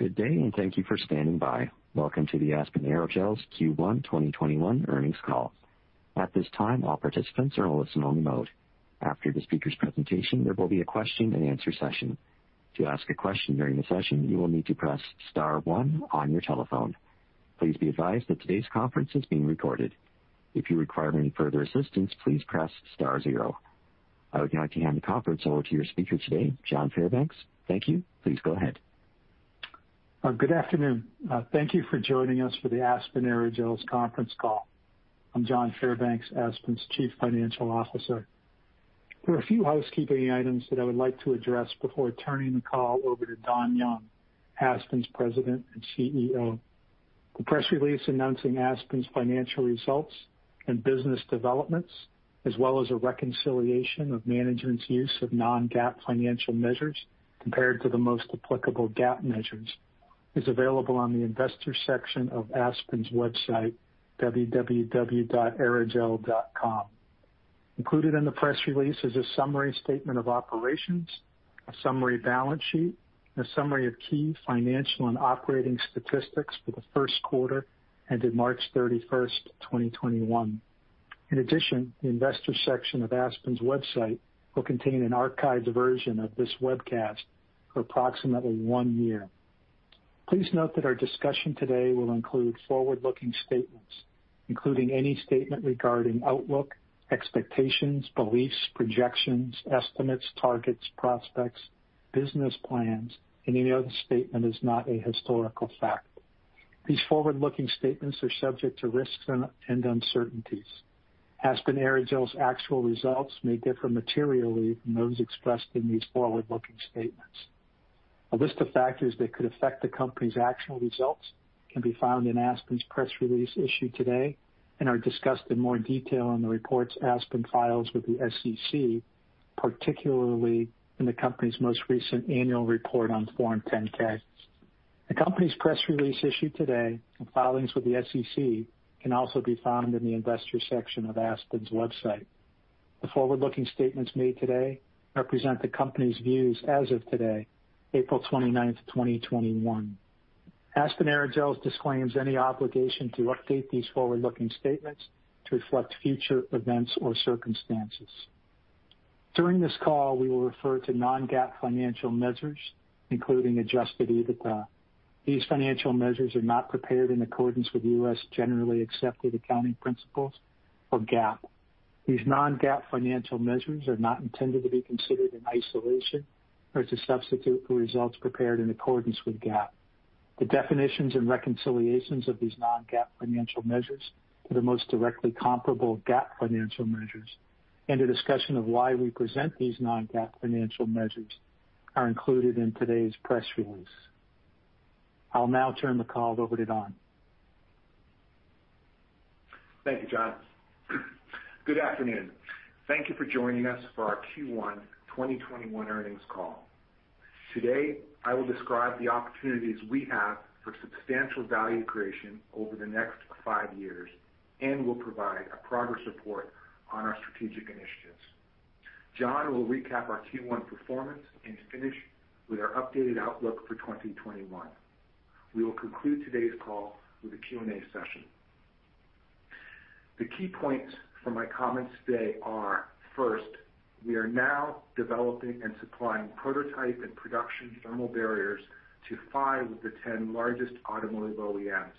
Good day, and thank you for standing by. Welcome to the Aspen Aerogels Q1 2021 Earnings Call. At this time, all participants are in a listen-only mode. After the speaker's presentation, there will be a question-and-answer session. To ask a question during the session, you will need to press star one on your telephone. Please be advised that today's conference is being recorded. If you require any further assistance, please press star zero. I would now like to hand the conference over to your speaker today, John Fairbanks. Thank you. Please go ahead. Good afternoon. Thank you for joining us for the Aspen Aerogels Conference Call. I'm John Fairbanks, Aspen's Chief Financial Officer. There are a few housekeeping items that I would like to address before turning the call over to Don Young, Aspen's President and CEO. The press release announcing Aspen's financial results and business developments, as well as a reconciliation of management's use of non-GAAP financial measures compared to the most applicable GAAP measures, is available on the investor section of Aspen's website, www.aerogels.com. Included in the press release is a summary statement of operations, a summary balance sheet, and a summary of key financial and operating statistics for the first quarter ended March 31st, 2021. In addition, the investor section of Aspen's website will contain an archived version of this webcast for approximately one year. Please note that our discussion today will include forward-looking statements, including any statement regarding outlook, expectations, beliefs, projections, estimates, targets, prospects, business plans, and any other statement is not a historical fact. These forward-looking statements are subject to risks and uncertainties. Aspen Aerogels' actual results may differ materially from those expressed in these forward-looking statements. A list of factors that could affect the company's actual results can be found in Aspen's press release issued today and are discussed in more detail in the reports Aspen files with the SEC, particularly in the company's most recent annual report on Form 10-K. The company's press release issued today and filings with the SEC can also be found in the investor section of Aspen's website. The forward-looking statements made today represent the company's views as of today, April 29th, 2021. Aspen Aerogels disclaims any obligation to update these forward-looking statements to reflect future events or circumstances. During this call, we will refer to Non-GAAP financial measures, including Adjusted EBITDA. These financial measures are not prepared in accordance with U.S. Generally Accepted Accounting Principles or GAAP. These Non-GAAP financial measures are not intended to be considered in isolation or to substitute for results prepared in accordance with GAAP. The definitions and reconciliations of these Non-GAAP financial measures to the most directly comparable GAAP financial measures, and a discussion of why we present these Non-GAAP financial measures, are included in today's press release. I'll now turn the call over to Don. Thank you, John. Good afternoon. Thank you for joining us for our Q1 2021 earnings call. Today, I will describe the opportunities we have for substantial value creation over the next five years and will provide a progress report on our strategic initiatives. John will recap our Q1 performance and finish with our updated outlook for 2021. We will conclude today's call with a Q&A session. The key points from my comments today are: first, we are now developing and supplying prototype and production thermal barriers to five of the 10 largest automotive OEMs.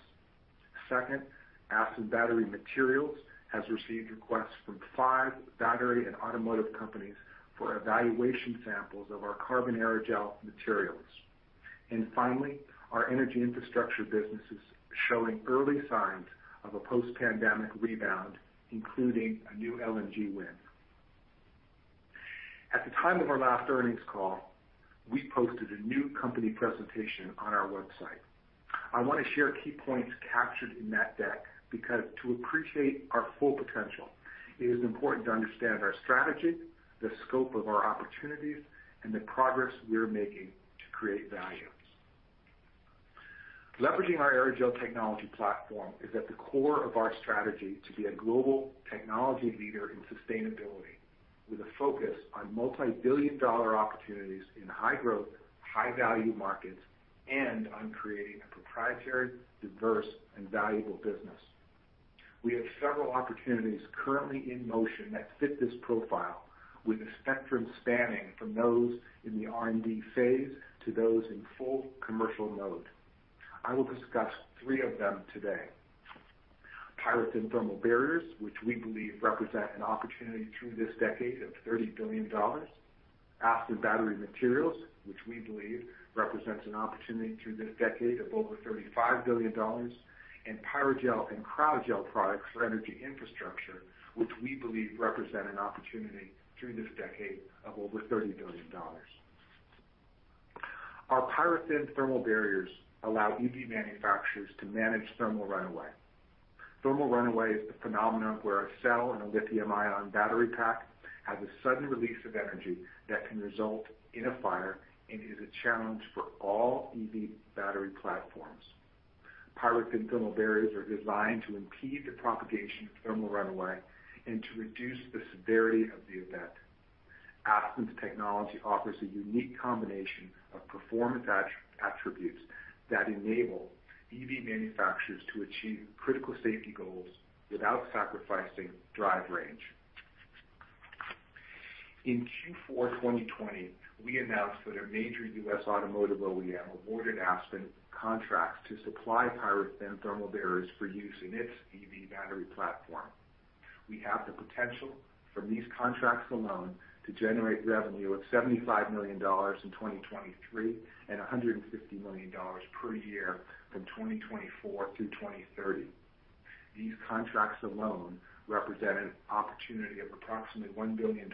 Second, Aspen battery Materials has received requests from five battery and automotive companies for evaluation samples of our Carbon aerogel materials. And finally, our energy infrastructure business is showing early signs of a post-pandemic rebound, including a new LNG win. At the time of our last earnings call, we posted a new company presentation on our website. I want to share key points captured in that deck because to appreciate our full potential, it is important to understand our strategy, the scope of our opportunities, and the progress we're making to create value. Leveraging our aerogel technology platform is at the core of our strategy to be a global technology leader in sustainability, with a focus on multi-billion dollar opportunities in high-growth, high-value markets and on creating a proprietary, diverse, and valuable business. We have several opportunities currently in motion that fit this profile, with a spectrum spanning from those in the R&D phase to those in full commercial mode. I will discuss three of them today: PyroThin and Thermal Barriers, which we believe represent an opportunity through this decade of $30 billion, Aspen battery Materials, which we believe represents an opportunity through this decade of over $35 billion, and Pyrogel and Cryogel products for energy infrastructure, which we believe represent an opportunity through this decade of over $30 billion. Our PyroThin and Thermal Barriers allow EV manufacturers to manage thermal runaway. Thermal runaway is the phenomenon where a cell in a lithium-ion battery pack has a sudden release of energy that can result in a fire and is a challenge for all EV battery platforms. PyroThin and Thermal Barriers are designed to impede the propagation of thermal runaway and to reduce the severity of the event. Aspen's technology offers a unique combination of performance attributes that enable EV manufacturers to achieve critical safety goals without sacrificing drive range. In Q4 2020, we announced that a major U.S. automotive OEM awarded Aspen contracts to supply PyroThin and Thermal Barriers for use in its EV battery platform. We have the potential from these contracts alone to generate revenue of $75 million in 2023 and $150 million per year from 2024 through 2030. These contracts alone represent an opportunity of approximately $1 billion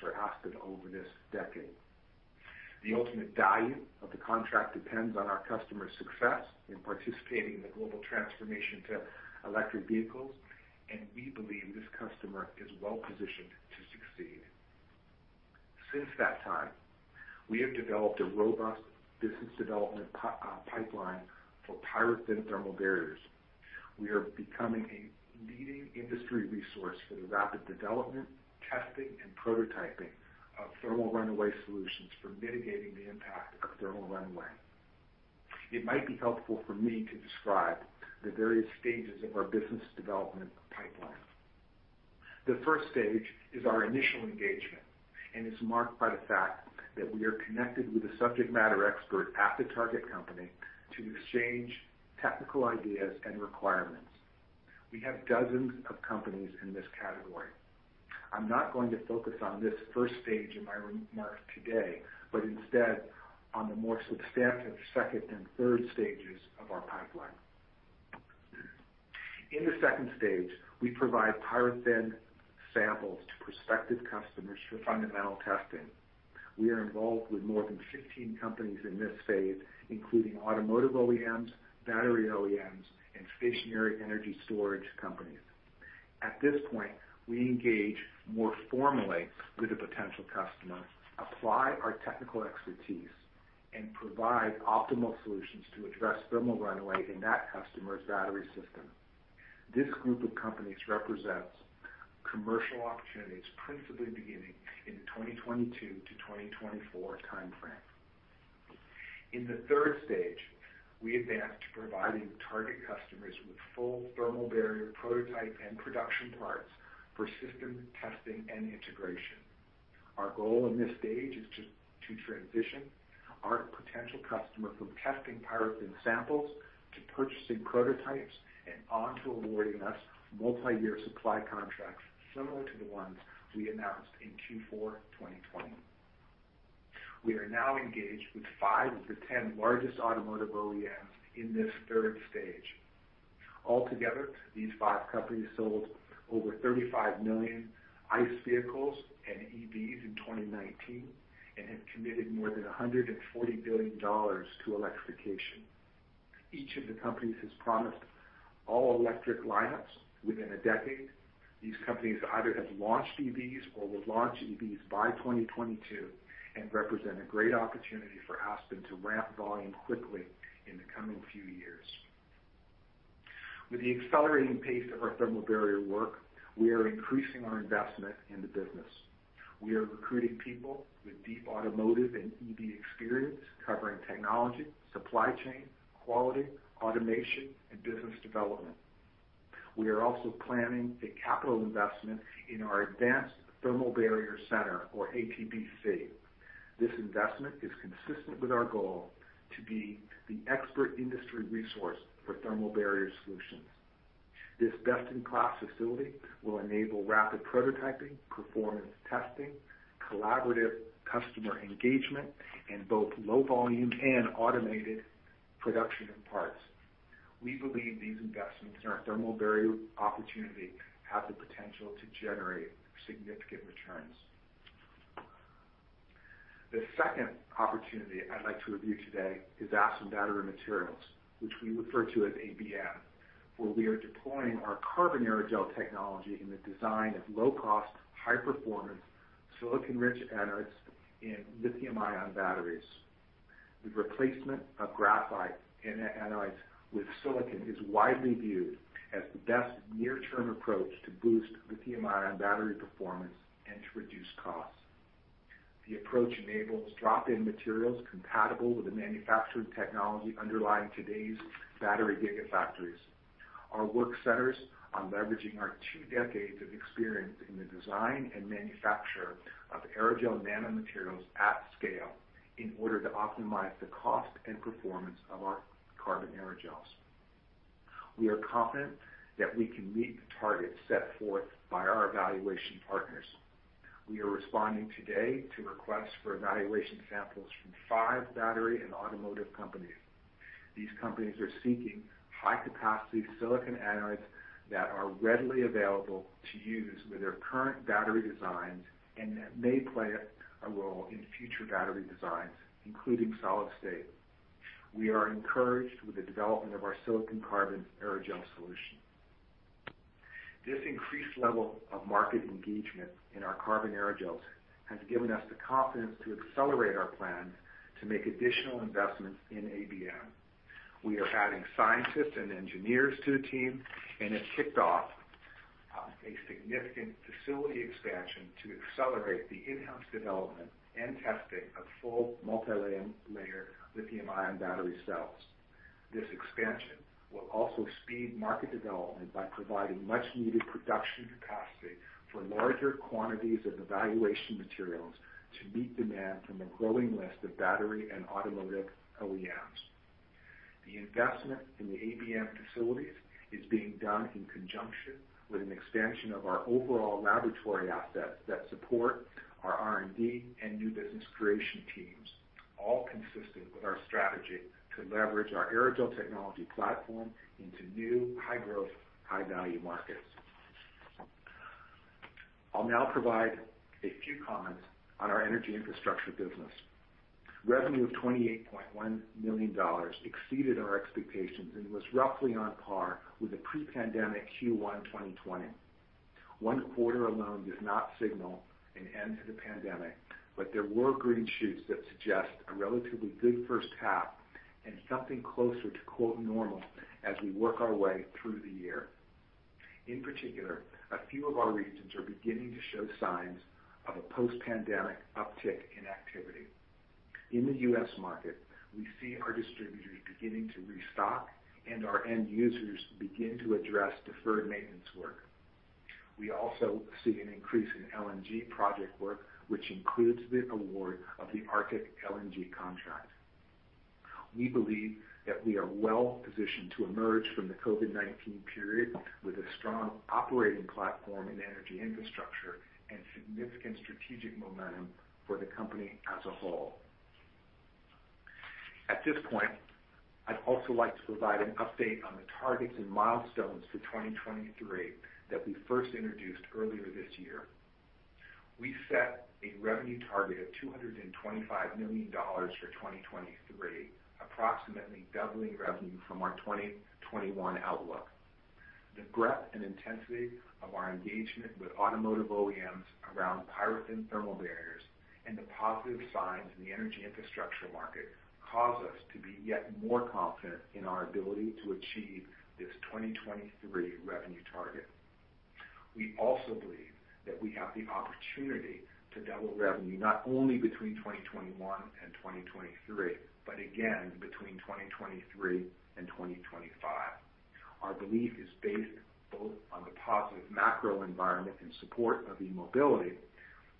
for Aspen over this decade. The ultimate value of the contract depends on our customer's success in participating in the global transformation to electric vehicles, and we believe this customer is well positioned to succeed. Since that time, we have developed a robust business development pipeline for PyroThin and Thermal Barriers. We are becoming a leading industry resource for the rapid development, testing, and prototyping of thermal runaway solutions for mitigating the impact of thermal runaway. It might be helpful for me to describe the various stages of our business development pipeline. The first stage is our initial engagement, and it's marked by the fact that we are connected with a subject matter expert at the target company to exchange technical ideas and requirements. We have dozens of companies in this category. I'm not going to focus on this first stage in my remarks today, but instead on the more substantive second and third stages of our pipeline. In the second stage, we provide PyroThin samples to prospective customers for fundamental testing. We are involved with more than 15 companies in this phase, including automotive OEMs, battery OEMs, and stationary energy storage companies. At this point, we engage more formally with a potential customer, apply our technical expertise, and provide optimal solutions to address thermal runaway in that customer's battery system. This group of companies represents commercial opportunities principally beginning in the 2022-2024 timeframe. In the third stage, we advance to providing target customers with full thermal barrier prototype and production parts for system testing and integration. Our goal in this stage is to transition our potential customer from testing PyroThin and samples to purchasing prototypes and on to awarding us multi-year supply contracts similar to the ones we announced in Q4 2020. We are now engaged with five of the ten largest automotive OEMs in this third stage. Altogether, these five companies sold over 35 million ICE vehicles and EVs in 2019 and have committed more than $140 billion to electrification. Each of the companies has promised all-electric lineups within a decade. These companies either have launched EVs or will launch EVs by 2022 and represent a great opportunity for Aspen to ramp volume quickly in the coming few years. With the accelerating pace of our thermal barrier work, we are increasing our investment in the business. We are recruiting people with deep automotive and EV experience covering technology, supply chain, quality, automation, and business development. We are also planning a capital investment in our Advanced Thermal Barrier Center, or ATBC. This investment is consistent with our goal to be the expert industry resource for thermal barrier solutions. This best-in-class facility will enable rapid prototyping, performance testing, collaborative customer engagement, and both low volume and automated production parts. We believe these investments in our thermal barrier opportunity have the potential to generate significant returns. The second opportunity I'd like to review today is Aspen battery Materials, which we refer to as ABM, where we are deploying our Carbon aerogel technology in the design of low-cost, high-performance silicon-rich anodes in lithium-ion batteries. The replacement of graphite and anodes with silicon is widely viewed as the best near-term approach to boost lithium-ion battery performance and to reduce costs. The approach enables drop-in materials compatible with the manufacturing technology underlying today's battery gigafactories. Our work centers on leveraging our two decades of experience in the design and manufacture of aerogel nanomaterials at scale in order to optimize the cost and performance of our Carbon aerogels. We are confident that we can meet the targets set forth by our evaluation partners. We are responding today to requests for evaluation samples from five battery and automotive companies. These companies are seeking high-capacity silicon anodes that are readily available to use with their current battery designs and that may play a role in future battery designs, including solid state. We are encouraged with the development of our silicon-carbon aerogel solution. This increased level of market engagement in our Carbon aerogels has given us the confidence to accelerate our plans to make additional investments in ABM. We are adding scientists and engineers to the team and have kicked off a significant facility expansion to accelerate the in-house development and testing of full multi-layer lithium-ion battery cells. This expansion will also speed market development by providing much-needed production capacity for larger quantities of evaluation materials to meet demand from a growing list of battery and automotive OEMs. The investment in the ABM facilities is being done in conjunction with an expansion of our overall laboratory assets that support our R&D and new business creation teams, all consistent with our strategy to leverage our aerogel technology platform into new, high-growth, high-value markets. I'll now provide a few comments on our energy infrastructure business. Revenue of $28.1 million exceeded our expectations and was roughly on par with the pre-pandemic Q1 2020. One quarter alone does not signal an end to the pandemic, but there were green shoots that suggest a relatively good first half and something closer to "normal" as we work our way through the year. In particular, a few of our regions are beginning to show signs of a post-pandemic uptick in activity. In the U.S. market, we see our distributors beginning to restock and our end users begin to address deferred maintenance work. We also see an increase in LNG project work, which includes the award of the Arctic LNG contract. We believe that we are well positioned to emerge from the COVID-19 period with a strong operating platform in energy infrastructure and significant strategic momentum for the company as a whole. At this point, I'd also like to provide an update on the targets and milestones for 2023 that we first introduced earlier this year. We set a revenue target of $225 million for 2023, approximately doubling revenue from our 2021 outlook. The breadth and intensity of our engagement with automotive OEMs around PyroThin and thermal barriers and the positive signs in the energy infrastructure market cause us to be yet more confident in our ability to achieve this 2023 revenue target. We also believe that we have the opportunity to double revenue not only between 2021 and 2023, but again between 2023 and 2025. Our belief is based both on the positive macro environment in support of e-mobility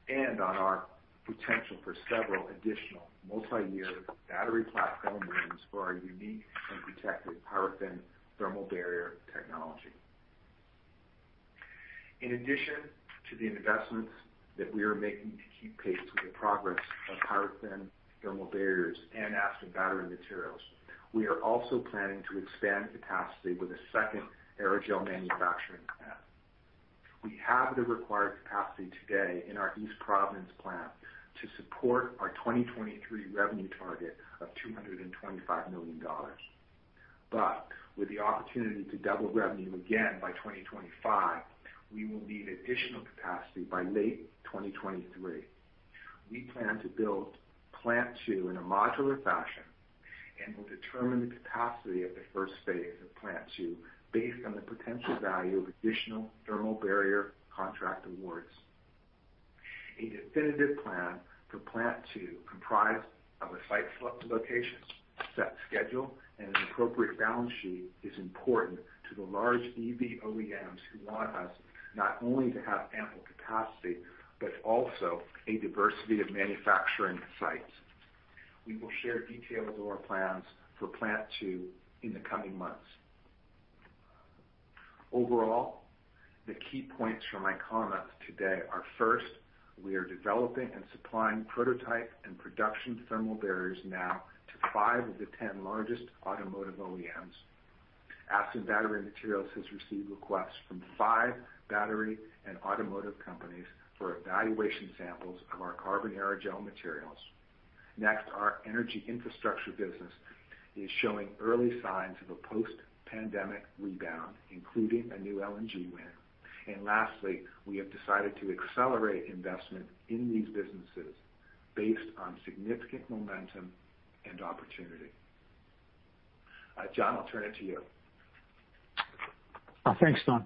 and on our potential for several additional multi-year battery platform wins for our unique and protected PyroThin and Thermal Barrier technology. In addition to the investments that we are making to keep pace with the progress of PyroThin and Thermal Barriers and Aspen battery Materials, we are also planning to expand capacity with a second aerogel manufacturing plant. We have the required capacity today in our East Providence plant to support our 2023 revenue target of $225 million, but with the opportunity to double revenue again by 2025, we will need additional capacity by late 2023. We plan to build Plant 2 in a modular fashion and will determine the capacity of the first phase of Plant 2 based on the potential value of additional thermal barrier contract awards. A definitive plan for Plant 2, comprised of a site select location, set schedule, and an appropriate balance sheet, is important to the large EV OEMs who want us not only to have ample capacity but also a diversity of manufacturing sites. We will share details of our plans for Plant 2 in the coming months. Overall, the key points from my comments today are: first, we are developing and supplying prototype and production thermal barriers now to five of the 10 largest automotive OEMs. Aspen battery Materials has received requests from five battery and automotive companies for evaluation samples of our Carbon aerogel materials. Next, our energy infrastructure business is showing early signs of a post-pandemic rebound, including a new LNG win. Lastly, we have decided to accelerate investment in these businesses based on significant momentum and opportunity. John, I'll turn it to you. Thanks, Don.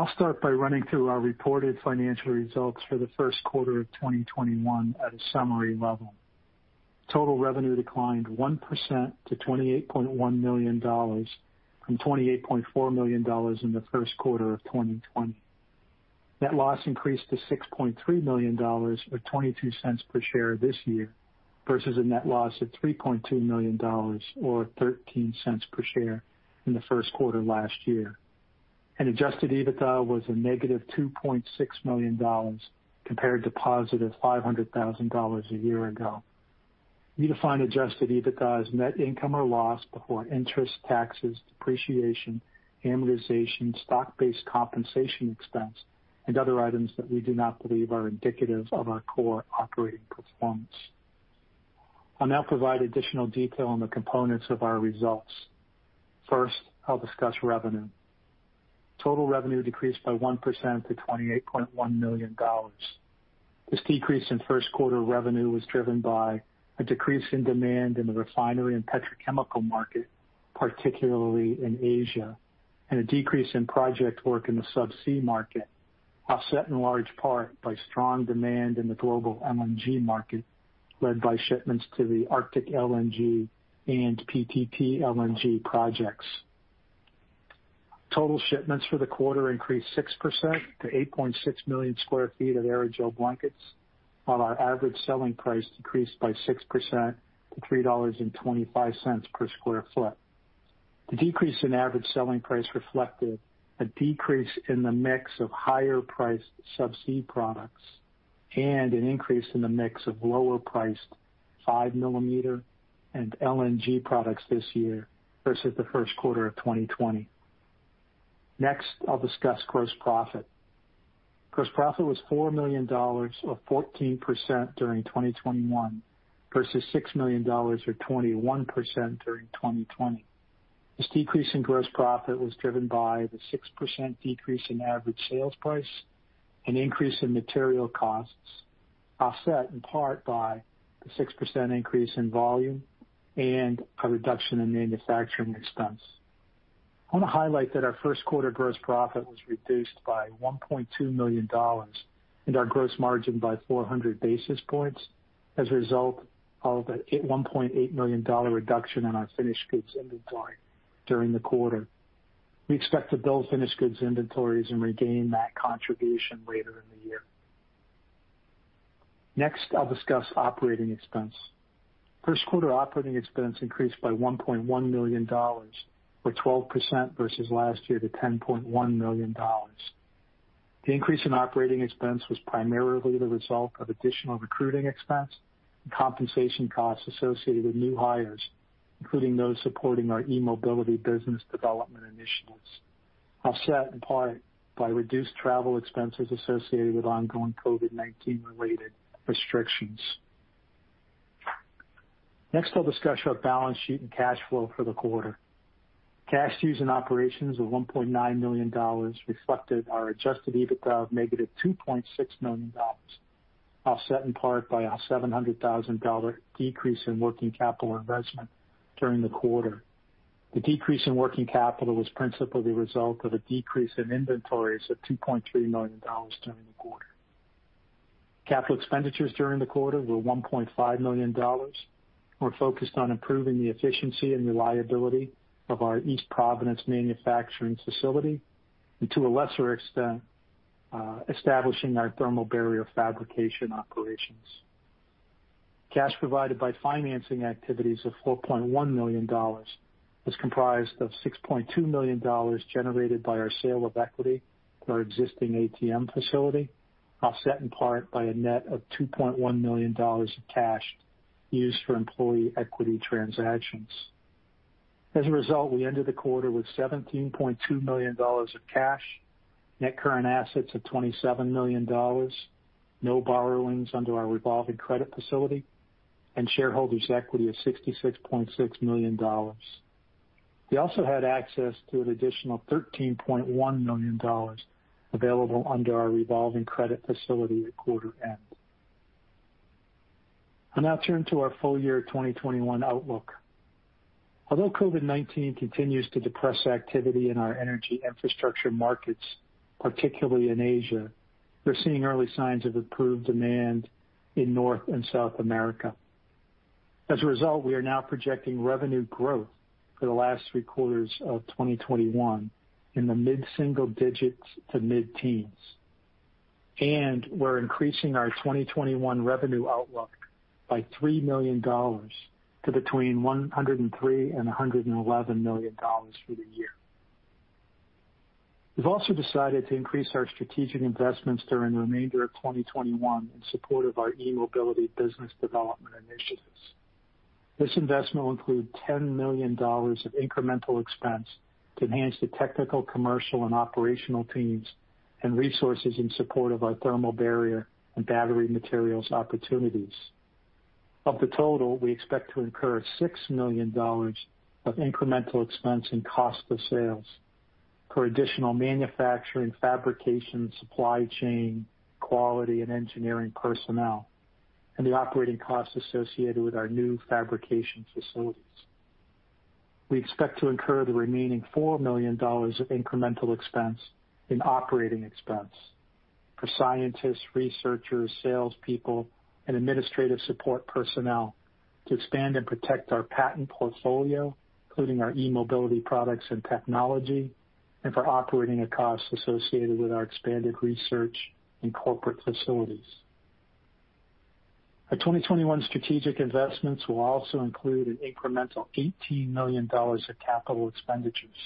I'll start by running through our reported financial results for the first quarter of 2021 at a summary level. Total revenue declined 1% to $28.1 million from $28.4 million in the first quarter of 2020. Net loss increased to $6.3 million or $0.22 per share this year versus a net loss of $3.2 million or $0.13 per share in the first quarter last year. Adjusted EBITDA was a negative $2.6 million compared to positive $500,000 a year ago. We define Adjusted EBITDA as net income or loss before interest, taxes, depreciation, amortization, stock-based compensation expense, and other items that we do not believe are indicative of our core operating performance. I'll now provide additional detail on the components of our results. First, I'll discuss revenue. Total revenue decreased by 1% to $28.1 million. This decrease in first quarter revenue was driven by a decrease in demand in the refinery and petrochemical market, particularly in Asia, and a decrease in project work in the subsea market, offset in large part by strong demand in the global LNG market led by shipments to the Arctic LNG and PTT LNG projects. Total shipments for the quarter increased 6% to 8.6 million square feet of aerogel blankets, while our average selling price decreased by 6% to $3.25 per square feet. The decrease in average selling price reflected a decrease in the mix of higher-priced subsea products and an increase in the mix of lower-priced 5-millimeter and LNG products this year versus the first quarter of 2020. Next, I'll discuss gross profit. Gross profit was $4 million or 14% during 2021 versus $6 million or 21% during 2020. This decrease in gross profit was driven by the 6% decrease in average sales price, an increase in material costs, offset in part by the 6% increase in volume, and a reduction in manufacturing expense. I want to highlight that our first quarter gross profit was reduced by $1.2 million and our gross margin by 400 basis points as a result of a $1.8 million reduction in our finished goods inventory during the quarter. We expect to build finished goods inventories and regain that contribution later in the year. Next, I'll discuss operating expense. First quarter operating expense increased by $1.1 million or 12% versus last year to $10.1 million. The increase in operating expense was primarily the result of additional recruiting expense and compensation costs associated with new hires, including those supporting our e-mobility business development initiatives, offset in part by reduced travel expenses associated with ongoing COVID-19-related restrictions. Next, I'll discuss our balance sheet and cash flow for the quarter. Cash used in operations of $1.9 million reflected our Adjusted EBITDA of negative $2.6 million, offset in part by a $700,000 decrease in working capital investment during the quarter. The decrease in working capital was principally the result of a decrease in inventories of $2.3 million during the quarter. Capital expenditures during the quarter were $1.5 million. We're focused on improving the efficiency and reliability of our East Providence manufacturing facility and, to a lesser extent, establishing our thermal barrier fabrication operations. Cash provided by financing activities of $4.1 million was comprised of $6.2 million generated by our sale of equity to our existing ATM facility, offset in part by a net of $2.1 million of cash used for employee equity transactions. As a result, we ended the quarter with $17.2 million of cash, net current assets of $27 million, no borrowings under our revolving credit facility, and shareholders' equity of $66.6 million. We also had access to an additional $13.1 million available under our revolving credit facility at quarter end. I'll now turn to our full year 2021 outlook. Although COVID-19 continues to depress activity in our energy infrastructure markets, particularly in Asia, we're seeing early signs of improved demand in North and South America. As a result, we are now projecting revenue growth for the last three quarters of 2021 in the mid-single digits to mid-teens, and we're increasing our 2021 revenue outlook by $3 million to between $103 and $111 million for the year. We've also decided to increase our strategic investments during the remainder of 2021 in support of our e-mobility business development initiatives. This investment will include $10 million of incremental expense to enhance the technical, commercial, and operational teams and resources in support of our thermal barrier and battery materials opportunities. Of the total, we expect to incur $6 million of incremental expense and cost of sales for additional manufacturing, fabrication, supply chain, quality, and engineering personnel, and the operating costs associated with our new fabrication facilities. We expect to incur the remaining $4 million of incremental expense in operating expense for scientists, researchers, salespeople, and administrative support personnel to expand and protect our patent portfolio, including our e-mobility products and technology, and for operating the costs associated with our expanded research and corporate facilities. Our 2021 strategic investments will also include an incremental $18 million of capital expenditures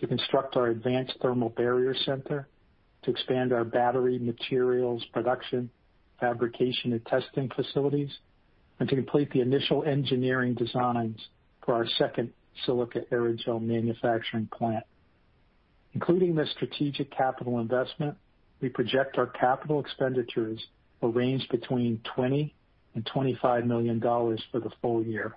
to construct our advanced thermal barrier center, to expand our battery materials production, fabrication, and testing facilities, and to complete the initial engineering designs for our second silica aerogel manufacturing plant. Including this strategic capital investment, we project our capital expenditures will range between $20 and $25 million for the full year.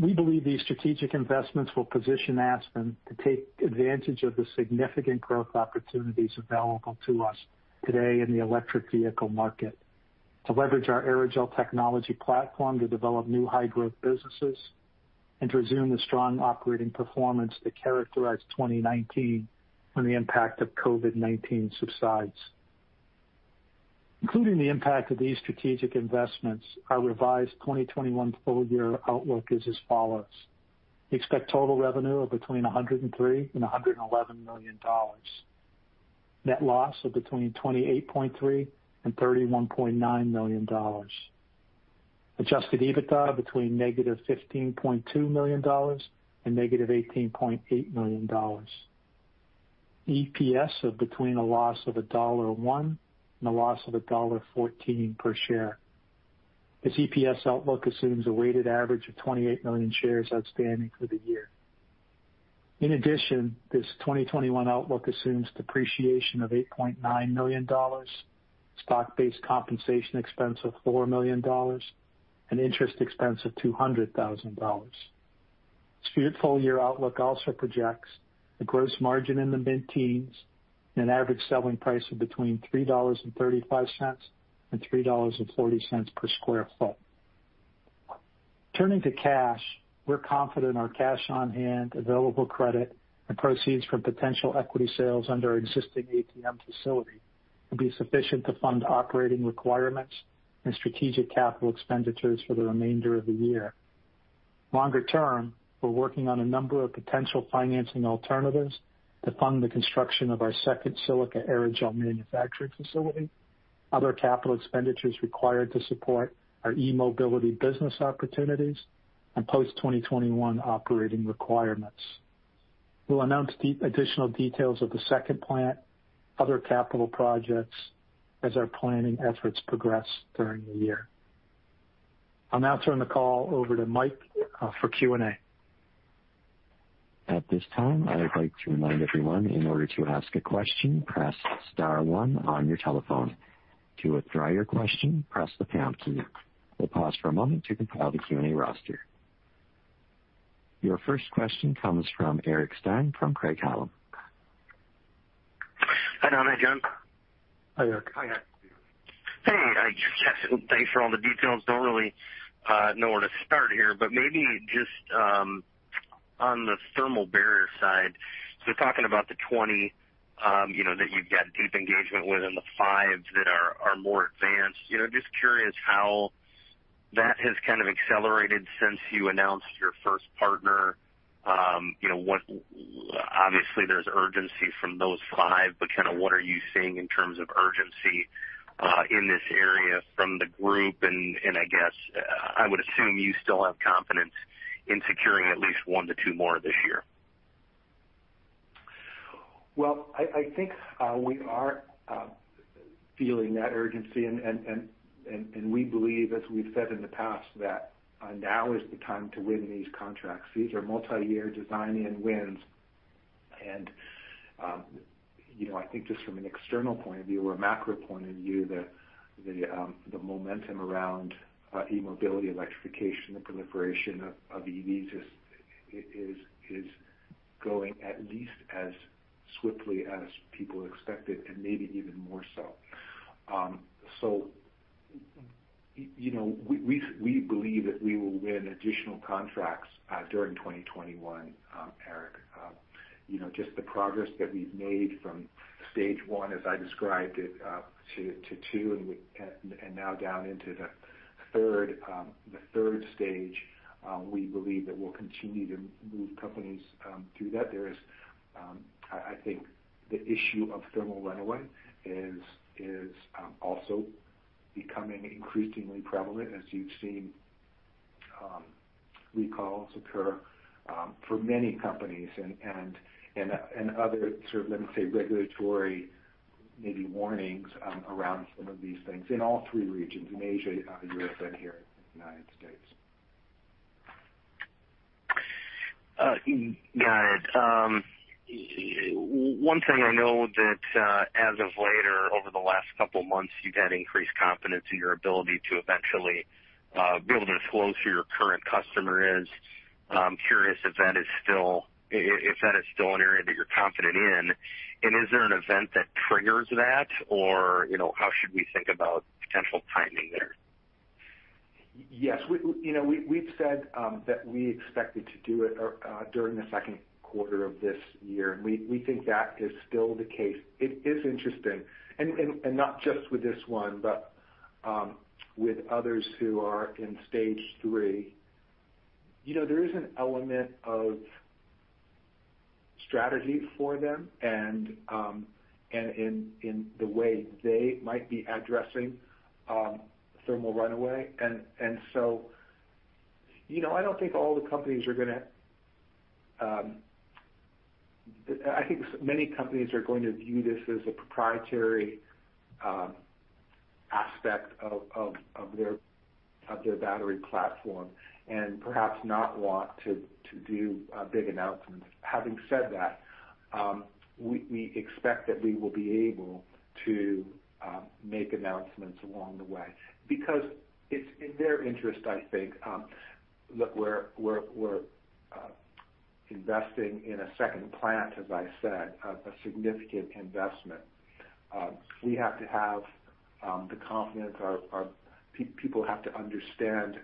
We believe these strategic investments will position Aspen to take advantage of the significant growth opportunities available to us today in the electric vehicle market, to leverage our aerogel technology platform to develop new high-growth businesses, and to resume the strong operating performance that characterized 2019 when the impact of COVID-19 subsides. Including the impact of these strategic investments, our revised 2021 full-year outlook is as follows. We expect total revenue of between $103-$111 million, net loss of between $28.3-$31.9 million, adjusted EBITDA between negative $15.2-$18.8 million, EPS of between a loss of $1.01-$1.14 per share. This EPS outlook assumes a weighted average of 28 million shares outstanding for the year. In addition, this 2021 outlook assumes depreciation of $8.9 million, stock-based compensation expense of $4 million, and interest expense of $200,000. This full-year outlook also projects a gross margin in the mid-teens and an average selling price of between $3.35 and $3.40 per square feet. Turning to cash, we're confident our cash on hand, available credit, and proceeds from potential equity sales under our existing ATM facility will be sufficient to fund operating requirements and strategic capital expenditures for the remainder of the year. Longer term, we're working on a number of potential financing alternatives to fund the construction of our second silica aerogel manufacturing facility, other capital expenditures required to support our e-mobility business opportunities, and post-2021 operating requirements. We'll announce additional details of the second plant, other capital projects as our planning efforts progress during the year. I'll now turn the call over to Mike for Q&A. At this time, I would like to remind everyone in order to ask a question, press star one on your telephone. To withdraw your question, press the pound key. We'll pause for a moment to compile the Q&A roster. Your first question comes from Eric Stine from Craig-Hallum. Hi, John. Hi, Eric. Hi, Eric. Hey, thanks for all the details. Don't really know where to start here, but maybe just on the thermal barrier side, so talking about the 20 that you've got deep engagement with and the five that are more advanced, just curious how that has kind of accelerated since you announced your first partner. Obviously, there's urgency from those five, but kind of what are you seeing in terms of urgency in this area from the group? And I guess I would assume you still have confidence in securing at least one to two more this year. I think we are feeling that urgency, and we believe, as we've said in the past, that now is the time to win these contracts. These are multi-year design and wins. I think just from an external point of view or a macro point of view, the momentum around e-mobility, electrification, and the proliferation of EVs is going at least as swiftly as people expected and maybe even more so. We believe that we will win additional contracts during 2021, Eric. Just the progress that we've made from stage one, as I described it, to two, and now down into the third stage, we believe that we'll continue to move companies through that. There is, I think, the issue of thermal runaway is also becoming increasingly prevalent, as you've seen recalls occur for many companies and other sort of, let me say, regulatory maybe warnings around some of these things in all three regions: in Asia, Europe, and here in the United States. Got it. One thing I know that as of late, over the last couple of months, you've had increased confidence in your ability to eventually be able to disclose who your current customer is. I'm curious if that is still an area that you're confident in, and is there an event that triggers that, or how should we think about potential timing there? Yes. We've said that we expected to do it during the second quarter of this year, and we think that is still the case. It is interesting, and not just with this one, but with others who are in stage three. There is an element of strategy for them and in the way they might be addressing thermal runaway. And so I don't think all the companies are going to. I think many companies are going to view this as a proprietary aspect of their battery platform and perhaps not want to do big announcements. Having said that, we expect that we will be able to make announcements along the way because it's in their interest, I think. Look, we're investing in a second plant, as I said, a significant investment. We have to have the confidence. Our people have to understand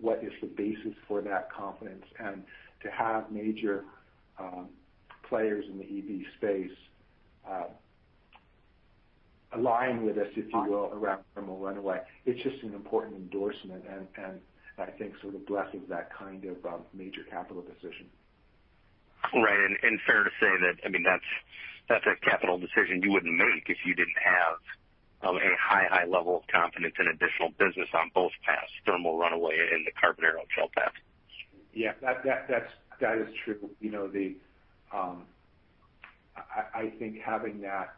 what is the basis for that confidence and to have major players in the EV space align with us, if you will, around thermal runaway. It's just an important endorsement, and I think sort of blesses that kind of major capital decision. Right. And fair to say that, I mean, that's a capital decision you wouldn't make if you didn't have a high, high level of confidence in additional business on both paths: thermal Runaway and the Carbon aerogel path. Yeah, that is true. I think having that,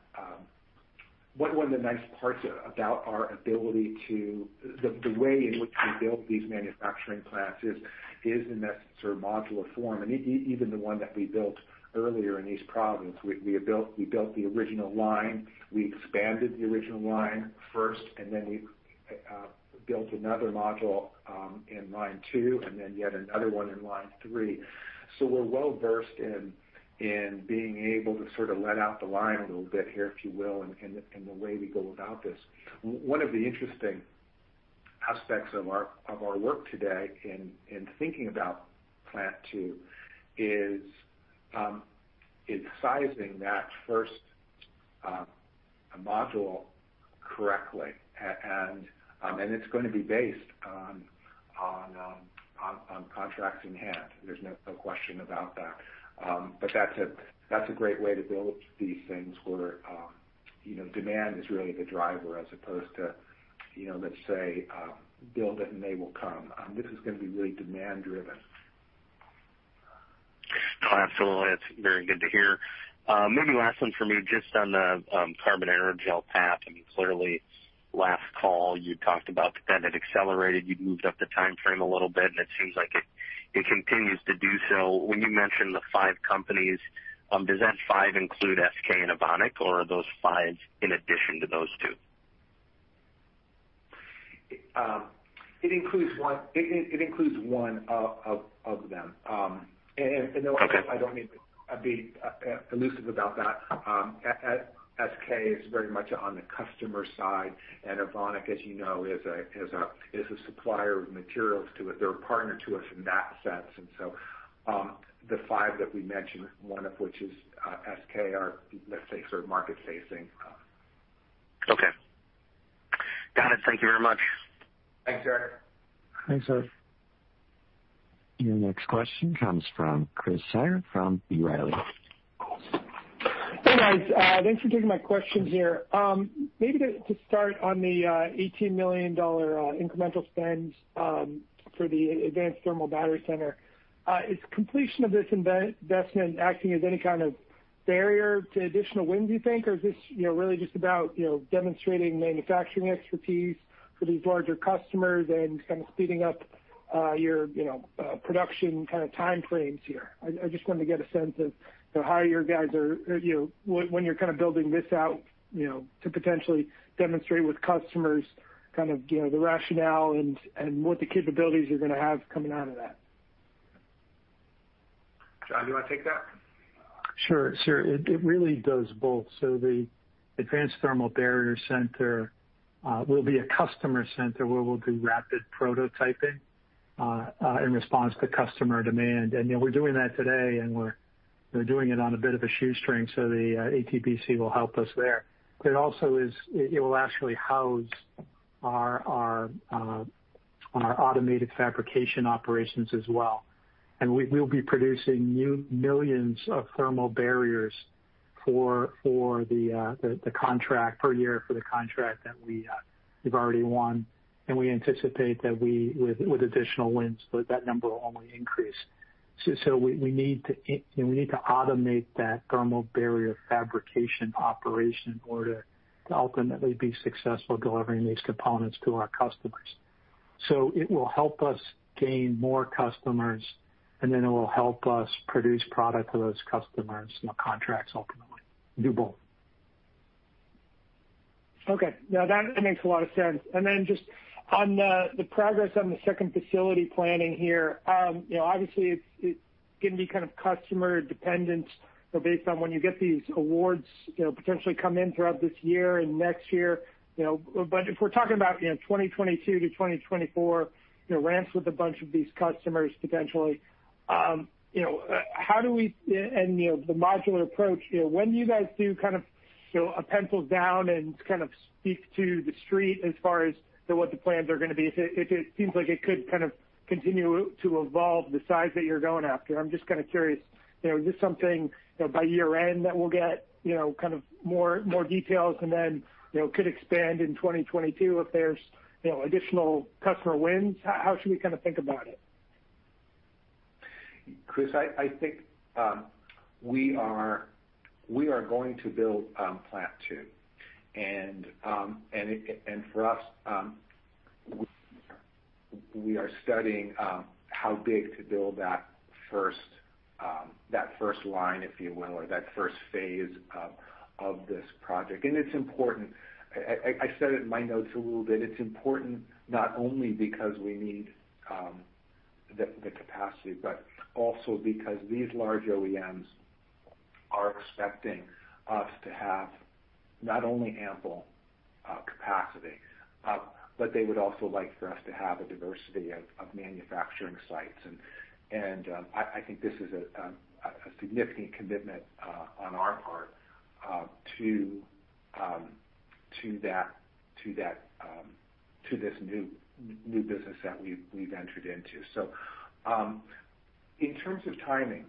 one of the nice parts about our ability to, the way in which we build these manufacturing plants is in this sort of modular form, and even the one that we built earlier in East Providence. We built the original line. We expanded the original line first, and then we built another module in line two and then yet another one in line three. So we're well versed in being able to sort of let out the line a little bit here, if you will, in the way we go about this. One of the interesting aspects of our work today in thinking about plant 2 is sizing that first module correctly. And it's going to be based on contracts in hand. There's no question about that. But that's a great way to build these things where demand is really the driver as opposed to, let's say, build it and they will come. This is going to be really demand-driven. No, absolutely. That's very good to hear. Maybe last one for me just on the carbon aerogel path. I mean, clearly, last call you talked about that it accelerated. You moved up the timeframe a little bit, and it seems like it continues to do so. When you mentioned the five companies, does that five include SK and Evonik, or are those five in addition to those two? It includes one of them. And I don't mean to be elusive about that. SK is very much on the customer side, and Evonik, as you know, is a supplier of materials to us. They're a partner to us in that sense. And so the five that we mentioned, one of which is SK, are, let's say, sort of market-facing. Okay. Got it. Thank you very much. Thanks, Eric. Thanks, Eric. Your next question comes from Christopher Souther from B. Riley. Hey, guys. Thanks for taking my question here. Maybe to start on the $18 million incremental spend for the advanced thermal barrier center, is completion of this investment acting as any kind of barrier to additional wins, you think, or is this really just about demonstrating manufacturing expertise for these larger customers and kind of speeding up your production kind of timeframes here? I just wanted to get a sense of how you guys are when you're kind of building this out to potentially demonstrate with customers kind of the rationale and what the capabilities you're going to have coming out of that. John, do you want to take that? Sure. Sure. It really does both. So the advanced thermal barrier center will be a customer center where we'll do rapid prototyping in response to customer demand, and we're doing that today, and we're doing it on a bit of a shoestring. So the ATBC will help us there. But it also will actually house our automated fabrication operations as well. And we'll be producing millions of thermal barriers for the contract per year that we've already won. And we anticipate that with additional wins, that number will only increase. So we need to automate that thermal barrier fabrication operation in order to ultimately be successful delivering these components to our customers. So it will help us gain more customers, and then it will help us produce product to those customers and the contracts ultimately do both. Okay. Now, that makes a lot of sense. And then just on the progress on the second facility planning here, obviously, it's going to be kind of customer dependent based on when you get these awards potentially come in throughout this year and next year. But if we're talking about 2022 to 2024, ramps with a bunch of these customers potentially, how do we, and the modular approach, when do you guys do kind of a pencil down and kind of speak to the street as far as what the plans are going to be? If it seems like it could kind of continue to evolve the size that you're going after, I'm just kind of curious. Is this something by year-end that we'll get kind of more details and then could expand in 2022 if there's additional customer wins? How should we kind of think about it? Chris, I think we are going to build plant 2. And for us, we are studying how big to build that first line, if you will, or that first phase of this project. And it's important. I said it in my notes a little bit. It's important not only because we need the capacity, but also because these large OEMs are expecting us to have not only ample capacity, but they would also like for us to have a diversity of manufacturing sites. And I think this is a significant commitment on our part to this new business that we've entered into. So in terms of timing,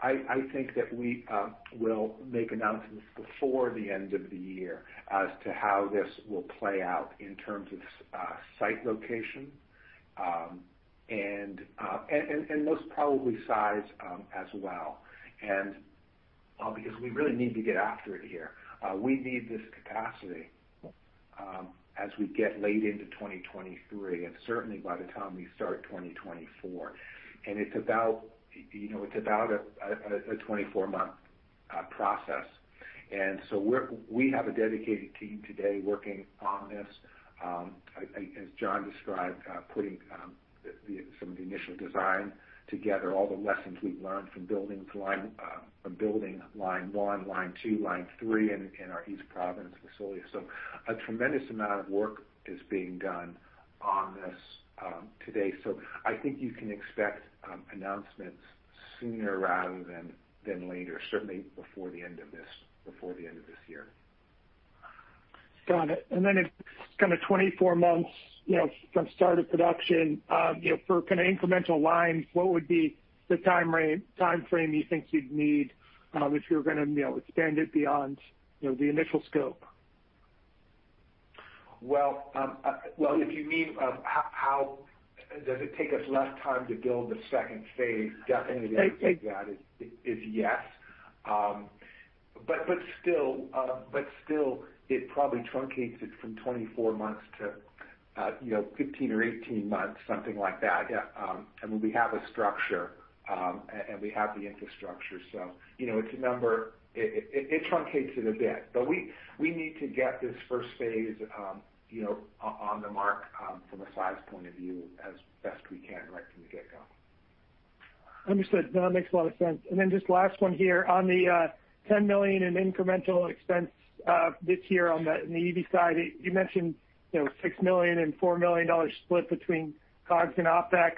I think that we will make announcements before the end of the year as to how this will play out in terms of site location and most probably size as well. And because we really need to get after it here. We need this capacity as we get late into 2023 and certainly by the time we start 2024. And it's about a 24-month process. And so we have a dedicated team today working on this, as John described, putting some of the initial design together, all the lessons we've learned from building line one, line two, line three in our East Providence facility. So a tremendous amount of work is being done on this today. So I think you can expect announcements sooner rather than later, certainly before the end of this year. Got it. And then it's kind of 24 months from start of production. For kind of incremental lines, what would be the timeframe you think you'd need if you're going to expand it beyond the initial scope? Well, if you mean how does it take us less time to build the second phase, definitely the answer to that is yes. But still, it probably truncates it from 24 months to 15 or 18 months, something like that. I mean, we have a structure, and we have the infrastructure. So it's a number; it truncates it a bit. But we need to get this first phase on the mark from a size point of view as best we can right from the get-go. Understood. No, that makes a lot of sense. And then just last one here. On the $10 million in incremental expense this year on the EV side, you mentioned $6 million and $4 million split between COGS and OpEx.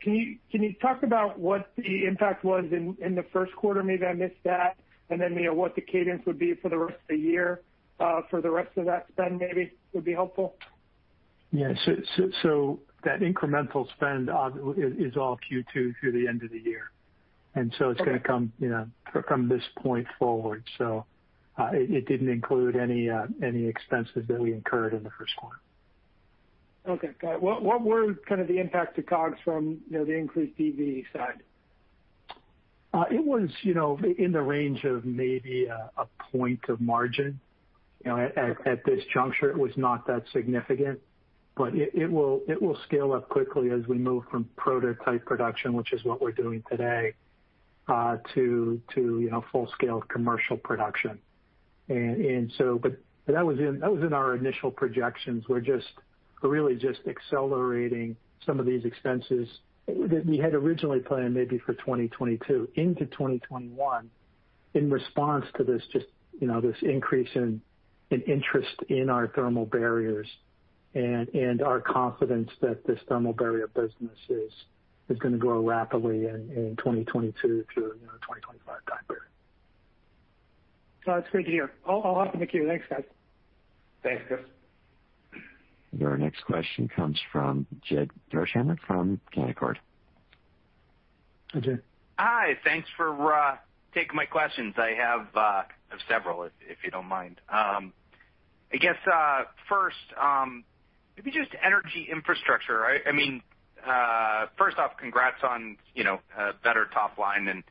Can you talk about what the impact was in the first quarter? Maybe I missed that. And then what the cadence would be for the rest of the year for the rest of that spend maybe would be helpful. Yeah. So that incremental spend is all Q2 through the end of the year. And so it's going to come from this point forward. So it didn't include any expenses that we incurred in the first quarter. Okay. Got it. What were kind of the impacts of COGS from the increased EV side? It was in the range of maybe a point of margin. At this juncture, it was not that significant. But it will scale up quickly as we move from prototype production, which is what we're doing today, to full-scale commercial production. And so that was in our initial projections. We're really just accelerating some of these expenses that we had originally planned maybe for 2022 into 2021 in response to this increase in interest in our thermal barriers and our confidence that this thermal barrier business is going to grow rapidly in 2022 through 2025 time period. That's great to hear. I'll hop in the queue. Thanks, guys. Thanks, Chris. Your next question comes from Jed Dorsheimer from Canaccord. Hi, Jed. Hi. Thanks for taking my questions. I have several, if you don't mind. I guess first, maybe just energy infrastructure. I mean, first off, congrats on a better top line and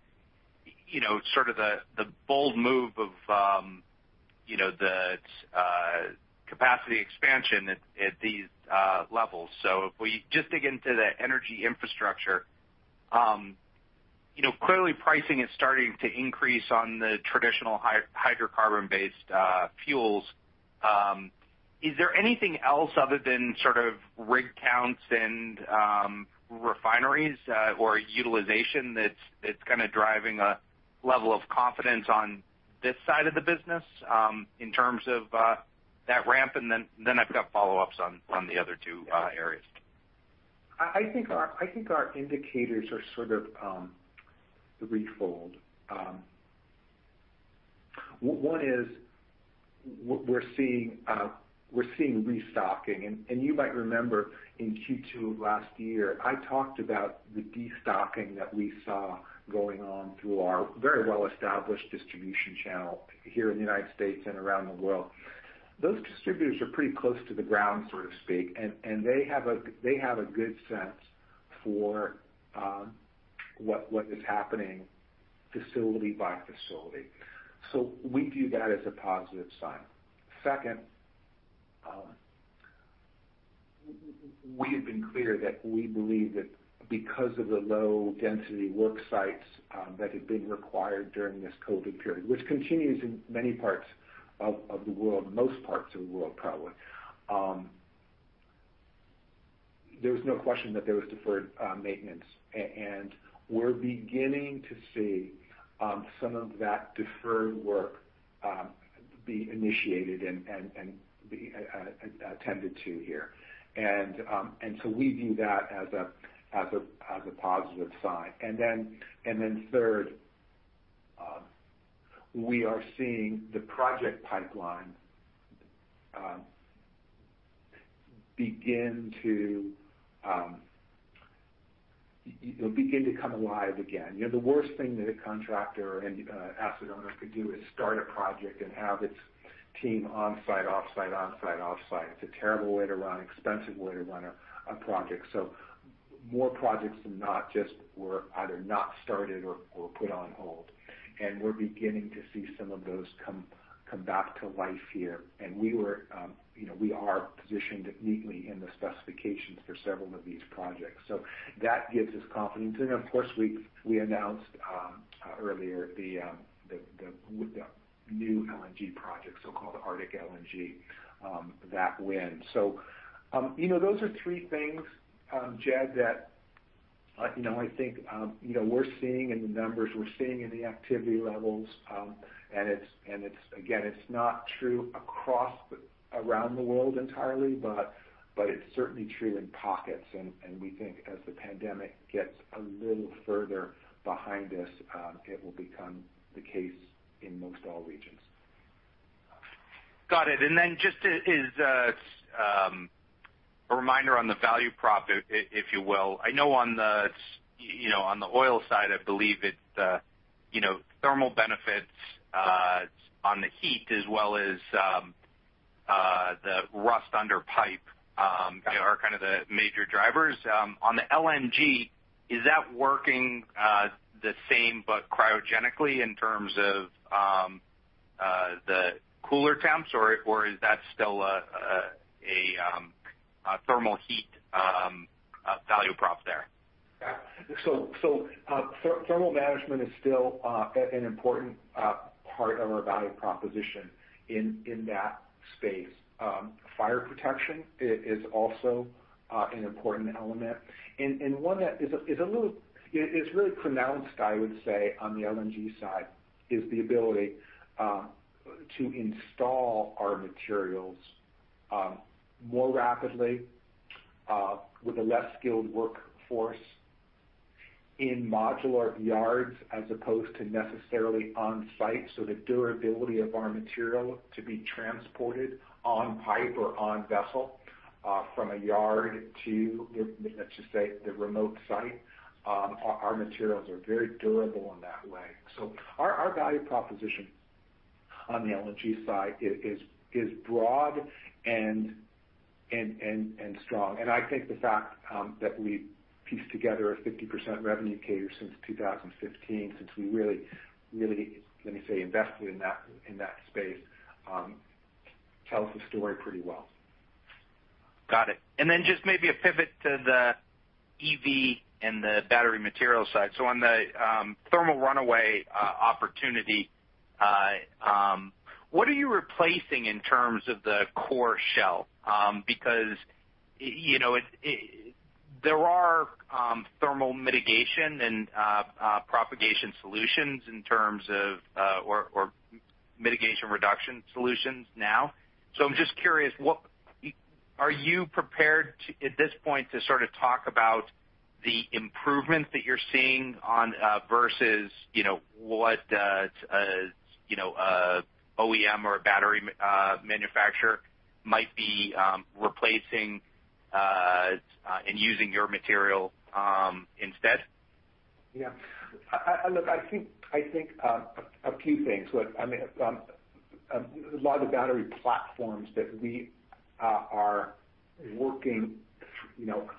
sort of the bold move of the capacity expansion at these levels. So if we just dig into the energy infrastructure, clearly pricing is starting to increase on the traditional hydrocarbon-based fuels. Is there anything else other than sort of rig counts and refineries or utilization that's kind of driving a level of confidence on this side of the business in terms of that ramp? And then I've got follow-ups on the other two areas. I think our indicators are sort of threefold. One is we're seeing restocking. You might remember in Q2 of last year, I talked about the destocking that we saw going on through our very well-established distribution channel here in the United States and around the world. Those distributors are pretty close to the ground, so to speak, and they have a good sense for what is happening facility by facility. So we view that as a positive sign. Second, we have been clear that we believe that because of the low-density work sites that have been required during this COVID period, which continues in many parts of the world, most parts of the world probably, there was no question that there was deferred maintenance, and we're beginning to see some of that deferred work be initiated and attended to here. So we view that as a positive sign. And then third, we are seeing the project pipeline begin to come alive again. The worst thing that a contractor and asset owner could do is start a project and have its team onsite, offsite, onsite, offsite. It's a terrible way to run, expensive way to run a project. So more projects than not just were either not started or put on hold. And we're beginning to see some of those come back to life here. And we are positioned neatly in the specifications for several of these projects. So that gives us confidence. And of course, we announced earlier the new LNG project, so-called Arctic LNG, that win. So those are three things, Jed, that I think we're seeing in the numbers, we're seeing in the activity levels. And again, it's not true around the world entirely, but it's certainly true in pockets. And we think as the pandemic gets a little further behind us, it will become the case in most all regions. Got it. And then just as a reminder on the value prop, if you will, I know on the oil side, I believe it's the thermal benefits on the heat as well as the CUI under pipe are kind of the major drivers. On the LNG, is that working the same but cryogenically in terms of the cooler temps, or is that still a thermal heat value prop there? Yeah. So thermal management is still an important part of our value proposition in that space. Fire protection is also an important element. And one that is a little is really pronounced, I would say, on the LNG side is the ability to install our materials more rapidly with a less skilled workforce in modular yards as opposed to necessarily on-site. So the durability of our material to be transported on pipe or on vessel from a yard to, let's just say, the remote site, our materials are very durable in that way. So our value proposition on the LNG side is broad and strong. And I think the fact that we pieced together a 50% revenue cadence since 2015, since we really, let me say, invested in that space, tells the story pretty well. Got it. And then just maybe a pivot to the EV and the battery material side. So on the thermal runaway opportunity, what are you replacing in terms of the core shell? Because there are thermal mitigation and propagation solutions in terms of or mitigation reduction solutions now. So I'm just curious, are you prepared at this point to sort of talk about the improvements that you're seeing versus what an OEM or a battery manufacturer might be replacing and using your material instead? Yeah. Look, I think a few things. I mean, a lot of the battery platforms that we are working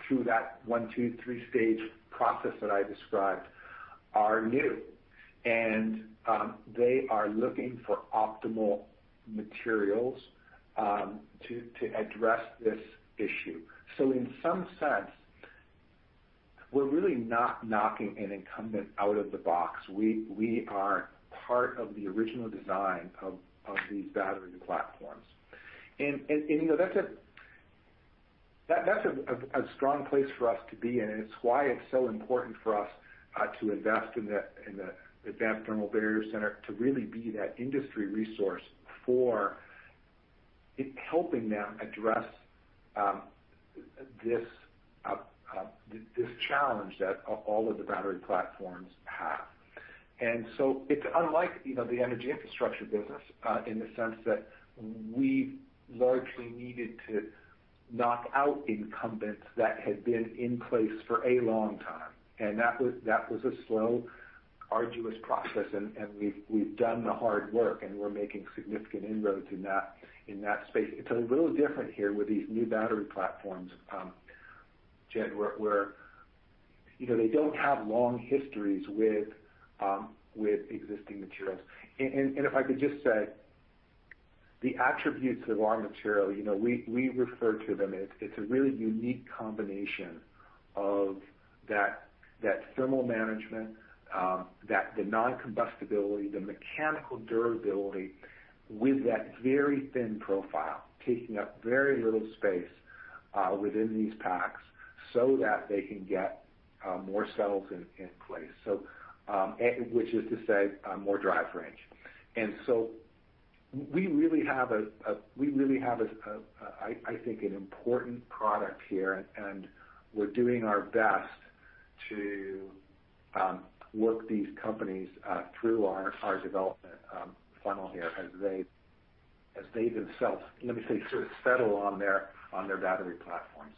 through that one, two, three-stage process that I described are new. And they are looking for optimal materials to address this issue. So in some sense, we're really not knocking an incumbent out of the box. We are part of the original design of these battery platforms. And that's a strong place for us to be. And it's why it's so important for us to invest in the Advanced Thermal Barrier Center to really be that industry resource for helping them address this challenge that all of the battery platforms have. And so it's unlike the energy infrastructure business in the sense that we've largely needed to knock out incumbents that had been in place for a long time. And that was a slow, arduous process. And we've done the hard work, and we're making significant inroads in that space. It's a little different here with these new battery platforms, Jed, where they don't have long histories with existing materials. And if I could just say, the attributes of our material, we refer to them, it's a really unique combination of that thermal management, the non-combustibility, the mechanical durability with that very thin profile, taking up very little space within these packs so that they can get more cells in place, which is to say more drive range. And so we really have a, we really have, I think, an important product here. And we're doing our best to work these companies through our development funnel here as they themselves, let me say, sort of settle on their battery platforms.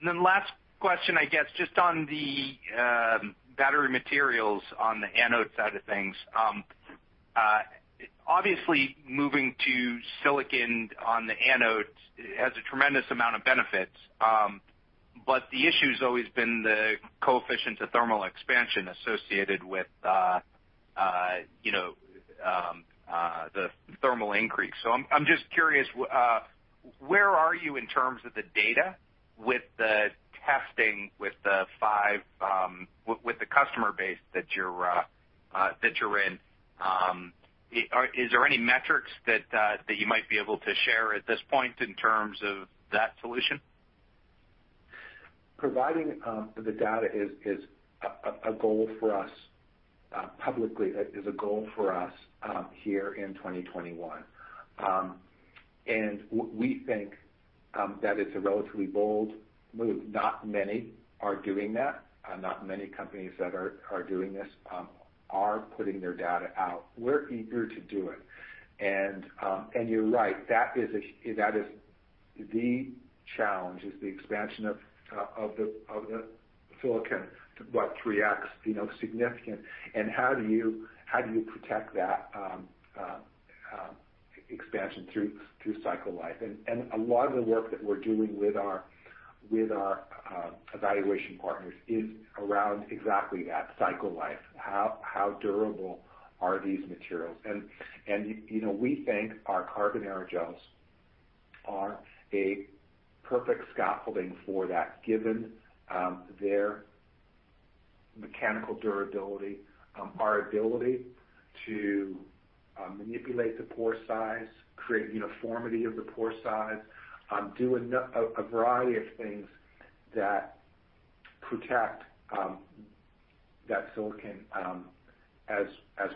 And then last question, I guess, just on the battery materials on the anode side of things. Obviously, moving to silicon on the anode has a tremendous amount of benefits. But the issue has always been the coefficient of thermal expansion associated with the thermal increase. So I'm just curious, where are you in terms of the data with the testing with the customer base that you're in? Is there any metrics that you might be able to share at this point in terms of that solution? Providing the data is a goal for us publicly, is a goal for us here in 2021. And we think that it's a relatively bold move. Not many are doing that. Not many companies that are doing this are putting their data out. We're eager to do it. And you're right. That is the challenge, is the expansion of the silicon, what, 3X, significant. And how do you protect that expansion through cycle life? And a lot of the work that we're doing with our evaluation partners is around exactly that cycle life. How durable are these materials? We think our carbon aerogels are a perfect scaffolding for that, given their mechanical durability, our ability to manipulate the pore size, create uniformity of the pore size, do a variety of things that protect that silicon as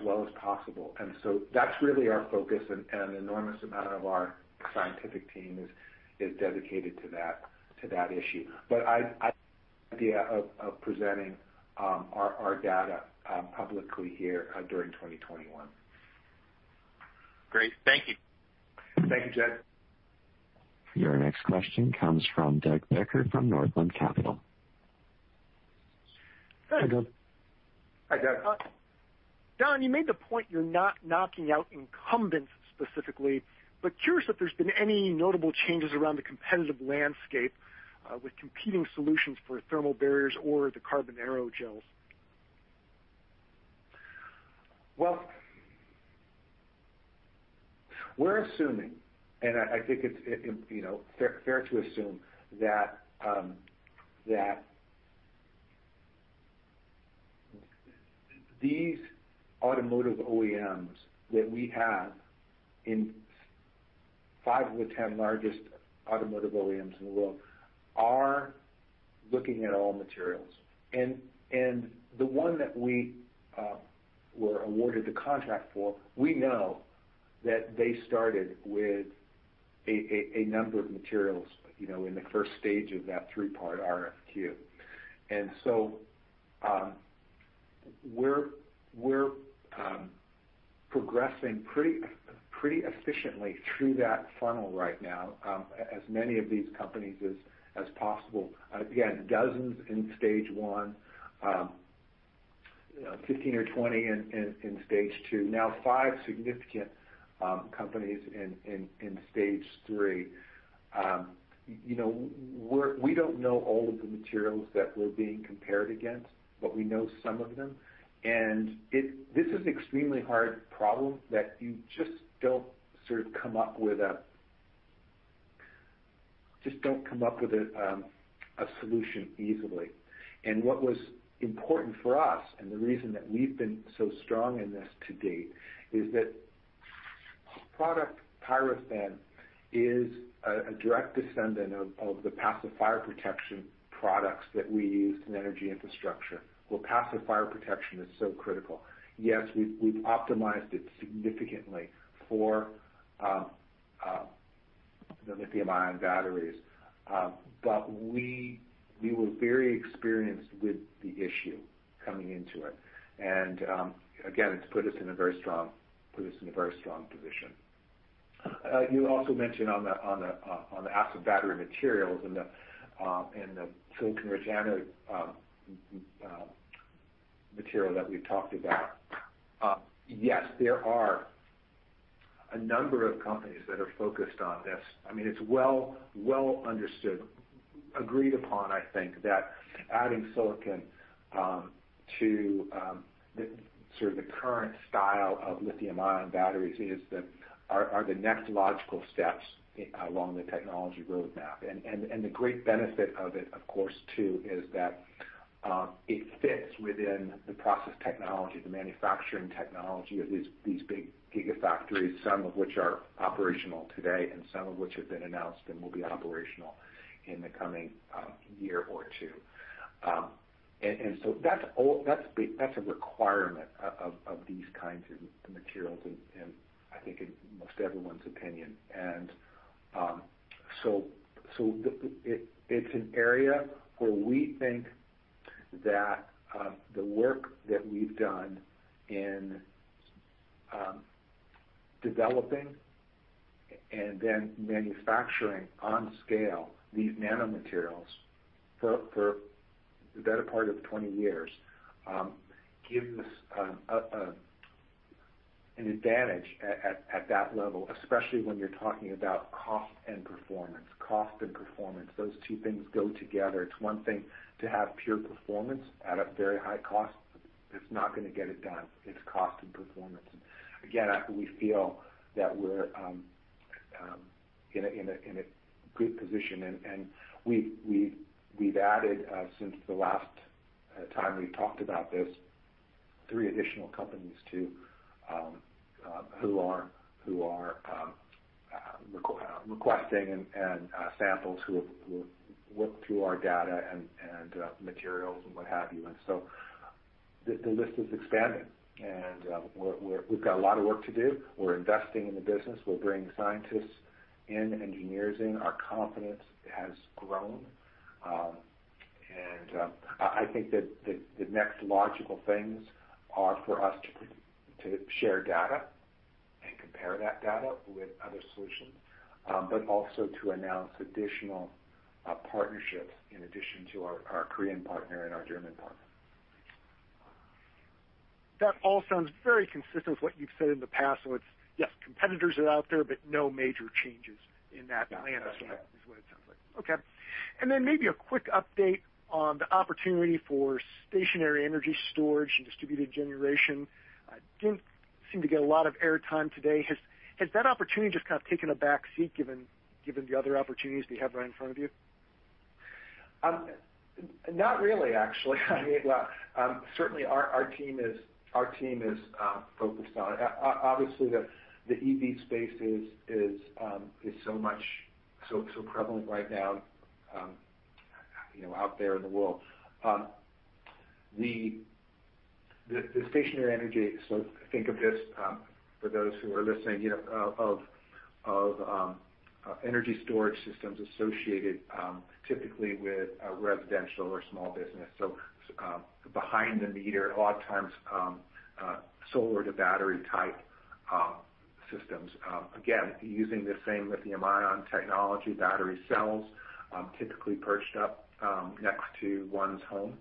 well as possible. And so that's really our focus. And an enormous amount of our scientific team is dedicated to that issue. But I have the idea of presenting our data publicly here during 2021. Great. Thank you. Thank you, Jed. Your next question comes from Doug Becker from Northland Capital Markets. Hi, Doug. Hi, Doug. Don, you made the point you're not knocking out incumbents specifically, but curious if there's been any notable changes around the competitive landscape with competing solutions for thermal barriers or the carbon aerogels. We're assuming, and I think it's fair to assume that these automotive OEMs that we have in five of the 10 largest automotive OEMs in the world are looking at all materials. The one that we were awarded the contract for, we know that they started with a number of materials in the first stage of that three-part RFQ. We're progressing pretty efficiently through that funnel right now, as many of these companies as possible. Again, dozens in stage one, 15 or 20 in stage two, now five significant companies in stage three. We don't know all of the materials that we're being compared against, but we know some of them. This is an extremely hard problem that you just don't sort of come up with a solution easily. What was important for us, and the reason that we've been so strong in this to date, is that product PyroThin is a direct descendant of the passive fire protection products that we use in energy infrastructure. Well, passive fire protection is so critical. Yes, we've optimized it significantly for the lithium-ion batteries, but we were very experienced with the issue coming into it. And again, it's put us in a very strong position. You also mentioned on the Aspen battery Materials and the silicon-rich anode material that we've talked about. Yes, there are a number of companies that are focused on this. I mean, it's well understood, agreed upon, I think, that adding silicon to sort of the current style of lithium-ion batteries are the next logical steps along the technology roadmap. The great benefit of it, of course, too, is that it fits within the process technology, the manufacturing technology of these big gigafactories, some of which are operational today and some of which have been announced and will be operational in the coming year or two. So that's a requirement of these kinds of materials, I think, in most everyone's opinion. So it's an area where we think that the work that we've done in developing and then manufacturing on scale these nanomaterials for the better part of 20 years gives us an advantage at that level, especially when you're talking about cost and performance. Cost and performance, those two things go together. It's one thing to have pure performance at a very high cost. It's not going to get it done. It's cost and performance. Again, we feel that we're in a good position. And we've added, since the last time we've talked about this, three additional companies too who are requesting samples, who have worked through our data and materials and what have you. And so the list is expanding. And we've got a lot of work to do. We're investing in the business. We're bringing scientists in, engineers in. Our confidence has grown. And I think that the next logical things are for us to share data and compare that data with other solutions, but also to announce additional partnerships in addition to our Korean partner and our German partner. That all sounds very consistent with what you've said in the past. So it's, yes, competitors are out there, but no major changes in that landscape is what it sounds like. Okay. And then maybe a quick update on the opportunity for stationary energy storage and distributed generation. Didn't seem to get a lot of airtime today. Has that opportunity just kind of taken a backseat given the other opportunities they have right in front of you? Not really, actually. I mean, well, certainly our team is focused on it. Obviously, the EV space is so much so prevalent right now out there in the world. The stationary energy, so think of this for those who are listening, of energy storage systems associated typically with residential or small business, so behind the meter, a lot of times solar to battery type systems. Again, using the same lithium-ion technology, battery cells typically perched up next to one's home,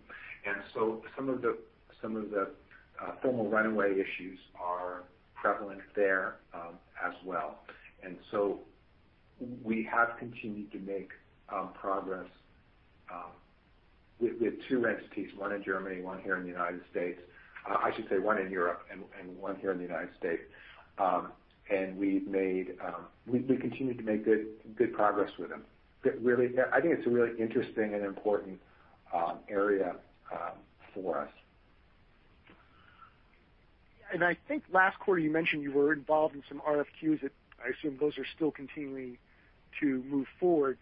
and so some of the thermal runaway issues are prevalent there as well, and so we have continued to make progress with two entities, one in Germany, one here in the United States. I should say one in Europe and one here in the United States. And we've made. We continue to make good progress with them. I think it's a really interesting and important area for us. And I think last quarter, you mentioned you were involved in some RFQs. I assume those are still continuing to move forward.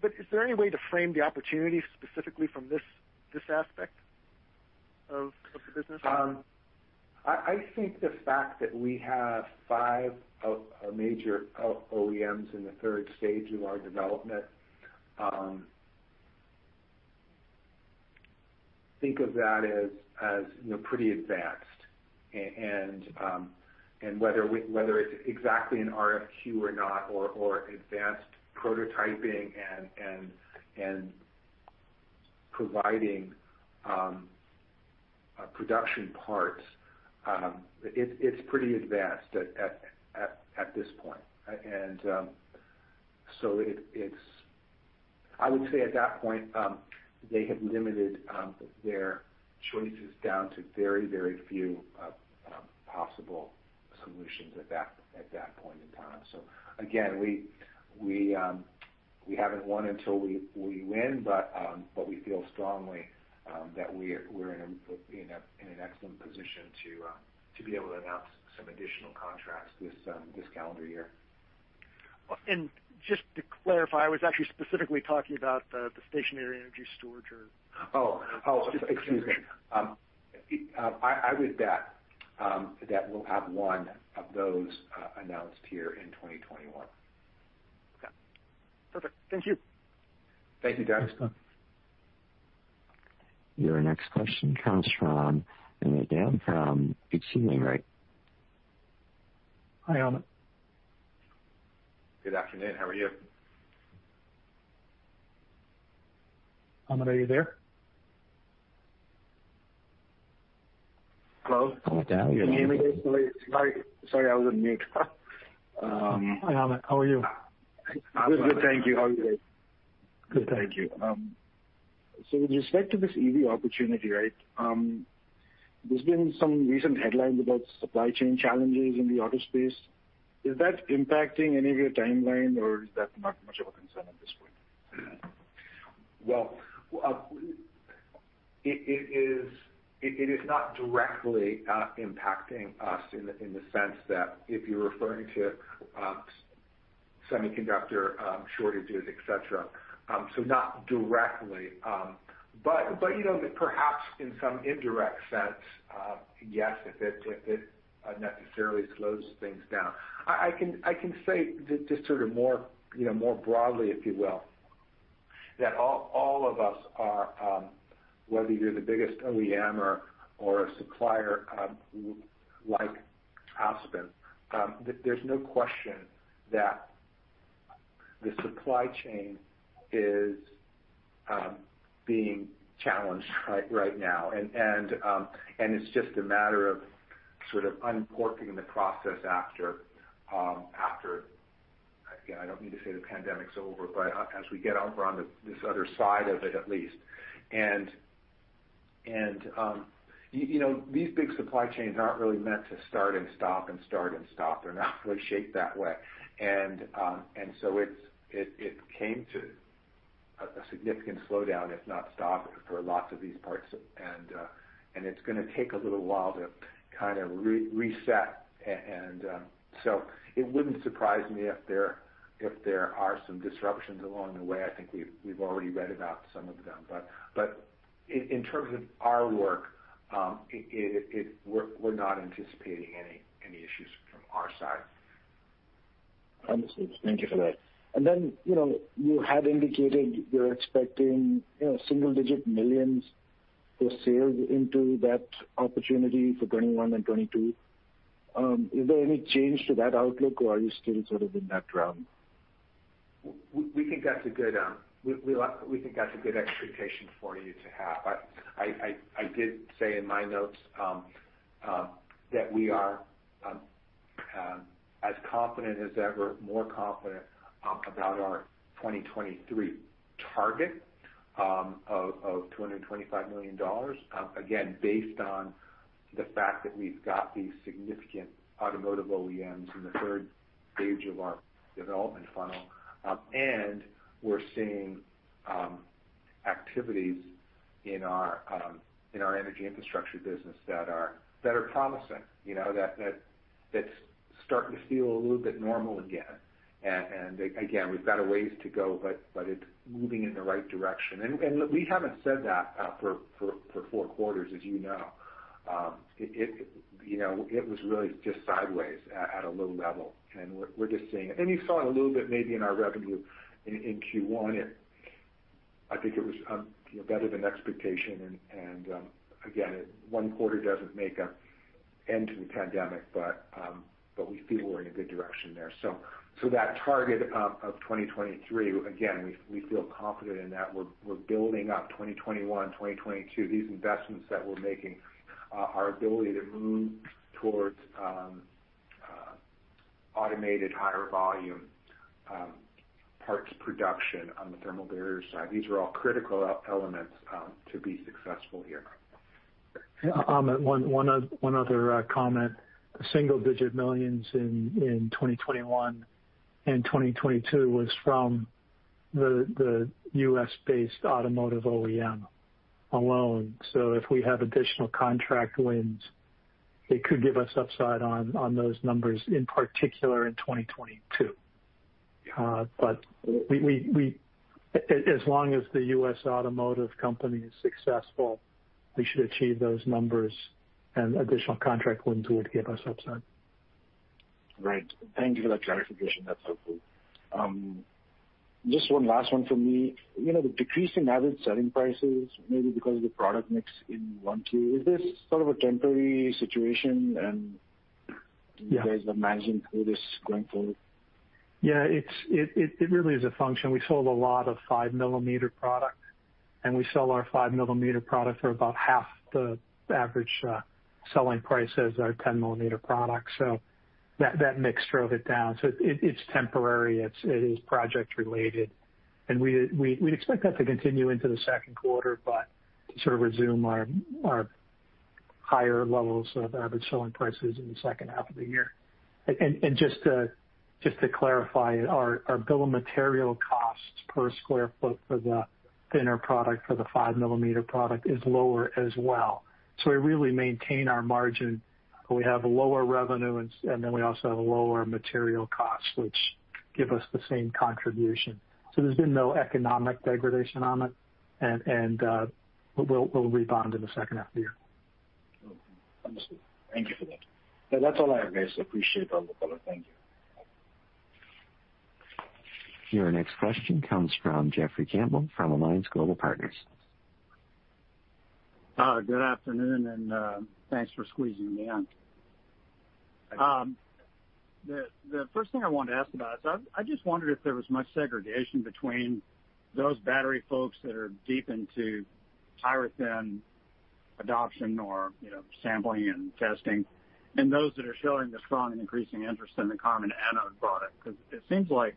But is there any way to frame the opportunity specifically from this aspect of the business? I think the fact that we have five of our major OEMs in the third stage of our development. Think of that as pretty advanced. And whether it's exactly an RFQ or not, or advanced prototyping and providing production parts, it's pretty advanced at this point. And so I would say at that point, they had limited their choices down to very, very few possible solutions at that point in time. So again, we haven't won until we win, but we feel strongly that we're in an excellent position to be able to announce some additional contracts this calendar year. And just to clarify, I was actually specifically talking about the stationary energy storage or. Oh, excuse me. I would bet that we'll have one of those announced here in 2021. Okay. Perfect. Thank you. Thank you, Doug. Your next question comes from Amit Dayal, and again from H.C. Wainwright. Hi, Amit. Good afternoon. How are you? Amit, are you there? Hello? Amit Dayal. Can you hear me? Sorry, I was on mute. Hi, Amit. How are you? I'm good. Thank you. How are you? Good. Thank you. So with respect to this EV opportunity, right, there's been some recent headlines about supply chain challenges in the auto space. Is that impacting any of your timeline, or is that not much of a concern at this point? Well, it is not directly impacting us in the sense that if you're referring to semiconductor shortages, etc., so not directly. But perhaps in some indirect sense, yes, if it necessarily slows things down. I can say just sort of more broadly, if you will, that all of us are, whether you're the biggest OEM or a supplier like Aspen, there's no question that the supply chain is being challenged right now. And it's just a matter of sort of uncorking the process after, again, I don't mean to say the pandemic's over, but as we get over on this other side of it at least. And these big supply chains aren't really meant to start and stop and start and stop. They're not really shaped that way. And so it came to a significant slowdown, if not a stop, for lots of these parts. And it's going to take a little while to kind of reset. And so it wouldn't surprise me if there are some disruptions along the way. I think we've already read about some of them. But in terms of our work, we're not anticipating any issues from our side. Understood. Thank you for that. And then you had indicated you're expecting single-digit millions for sales into that opportunity for 2021 and 2022. Is there any change to that outlook, or are you still sort of in that realm? We think that's a good expectation for you to have. I did say in my notes that we are as confident as ever, more confident about our 2023 target of $225 million, again, based on the fact that we've got these significant automotive OEMs in the third stage of our development funnel, and we're seeing activities in our energy infrastructure business that are promising, that's starting to feel a little bit normal again, and again, we've got a ways to go, but it's moving in the right direction, and we haven't said that for four quarters, as you know. It was really just sideways at a low level, and we're just seeing it, and you saw it a little bit maybe in our revenue in Q1. I think it was better than expectation, and again, one quarter doesn't make an end to the pandemic, but we feel we're in a good direction there. So, that target of 2023, again, we feel confident in that we're building up 2021, 2022, these investments that we're making, our ability to move towards automated higher volume parts production on the thermal barrier side. These are all critical elements to be successful here. Amit, one other comment. Single-digit millions in 2021 and 2022 was from the U.S.-based automotive OEM alone. So if we have additional contract wins, it could give us upside on those numbers, in particular in 2022. But as long as the U.S. automotive company is successful, we should achieve those numbers, and additional contract wins would give us upside. Right. Thank you for that clarification. That's helpful. Just one last one for me. The decreasing average selling prices, maybe because of the product mix in Q1, is this sort of a temporary situation, and there's a management for this going forward? Yeah. It really is a function. We sold a lot of 5-millimeter product, and we sell our 5-millimeter product for about half the average selling price as our 10-millimeter product, so that mix drove it down, so it's temporary, it is project-related, and we expect that to continue into the second quarter, but to sort of resume our higher levels of average selling prices in the second half of the year, and just to clarify, our bill of material costs per square feet for the thinner product, for the 5-millimeter product, is lower as well, so we really maintain our margin. We have lower revenue, and then we also have lower material costs, which give us the same contribution, so there's been no economic degradation, Amit, and we'll rebound in the second half of the year. Understood. Thank you for that. That's all I have, guys. Appreciate all the calls. Thank you. Your next question comes from Jeffrey Campbell from Alliance Global Partners. Good afternoon, and thanks for squeezing me in. The first thing I wanted to ask about is I just wondered if there was much segregation between those battery folks that are deep into PyroThin adoption or sampling and testing and those that are showing the strong and increasing interest in the carbon anode product. Because it seems like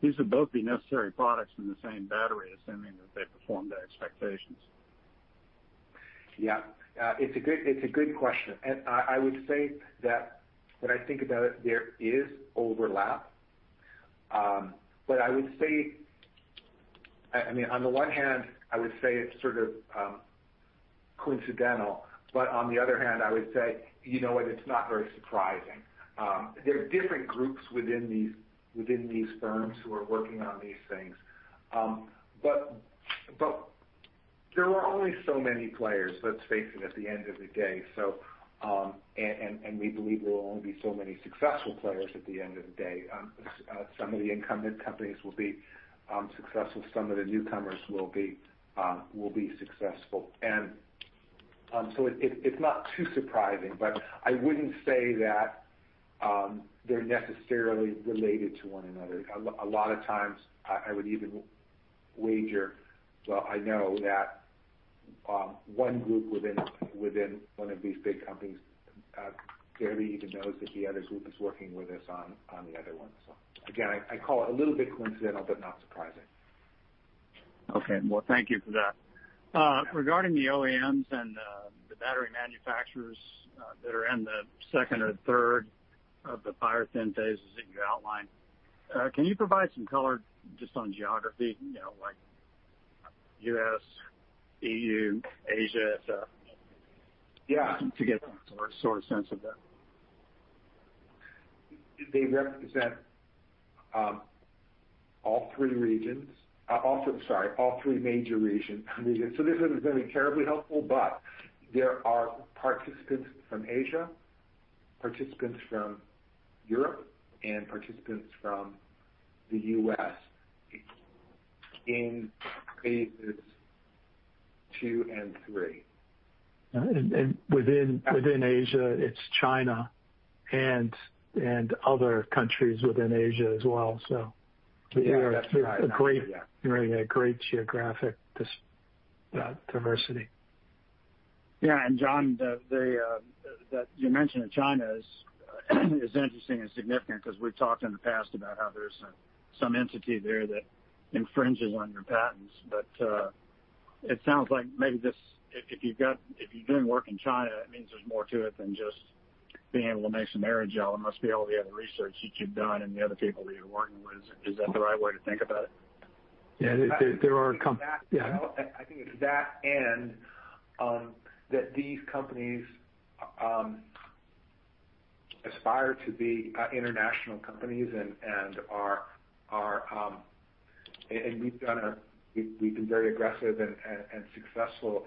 these would both be necessary products in the same battery, assuming that they perform the expectations. Yeah. It's a good question. I would say that when I think about it, there is overlap. But I would say, I mean, on the one hand, I would say it's sort of coincidental. But on the other hand, I would say, you know what, it's not very surprising. There are different groups within these firms who are working on these things. But there are only so many players that we're facing at the end of the day. And we believe there will only be so many successful players at the end of the day. Some of the incumbent companies will be successful. Some of the newcomers will be successful. And so it's not too surprising, but I wouldn't say that they're necessarily related to one another. A lot of times, I would even wager, well, I know that one group within one of these big companies barely even knows that the other group is working with us on the other one. So again, I call it a little bit coincidental, but not surprising. Okay. Well, thank you for that. Regarding the OEMs and the battery manufacturers that are in the second or third of the PyroThin phases that you outlined, can you provide some color just on geography, like U.S., E.U., Asia, etc., to get a sort of sense of that? They represent all three regions. Sorry, all three major regions. So this isn't going to be terribly helpful, but there are participants from Asia, participants from Europe, and participants from the U.S. in phases two and three. All right. And within Asia, it's China and other countries within Asia as well. So we have a great geographic diversity. Yeah. And John, that you mentioned of China is interesting and significant because we've talked in the past about how there's some entity there that infringes on your patents. But it sounds like maybe if you're doing work in China, it means there's more to it than just being able to make some aerogel. It must be all the other research that you've done and the other people that you're working with. Is that the right way to think about it? Yeah. There are companies. Yeah. I think it's that and that these companies aspire to be international companies and are and we've been very aggressive and successful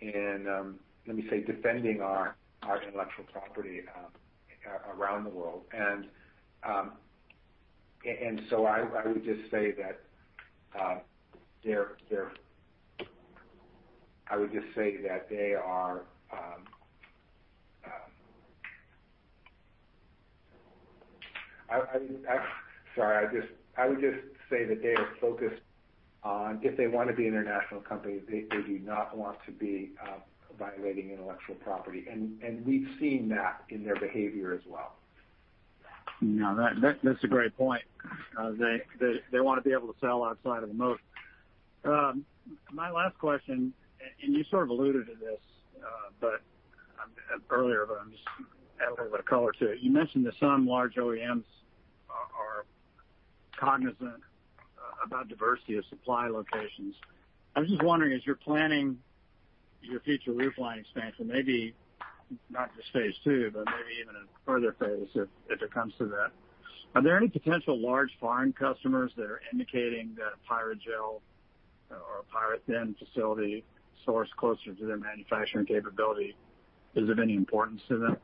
in, let me say, defending our intellectual property around the world. And so I would just say that they are focused on, if they want to be international companies, they do not want to be violating intellectual property. And we've seen that in their behavior as well. No, that's a great point. They want to be able to sell outside of the moat. My last question, and you sort of alluded to this earlier, but I'm just adding a little bit of color to it. You mentioned that some large OEMs are cognizant about diversity of supply locations. I was just wondering, as you're planning your future footprint expansion, maybe not just phase two, but maybe even a further phase if it comes to that, are there any potential large foreign customers that are indicating that a Pyrogel or a PyroThin facility sourced closer to their manufacturing capability is of any importance to them?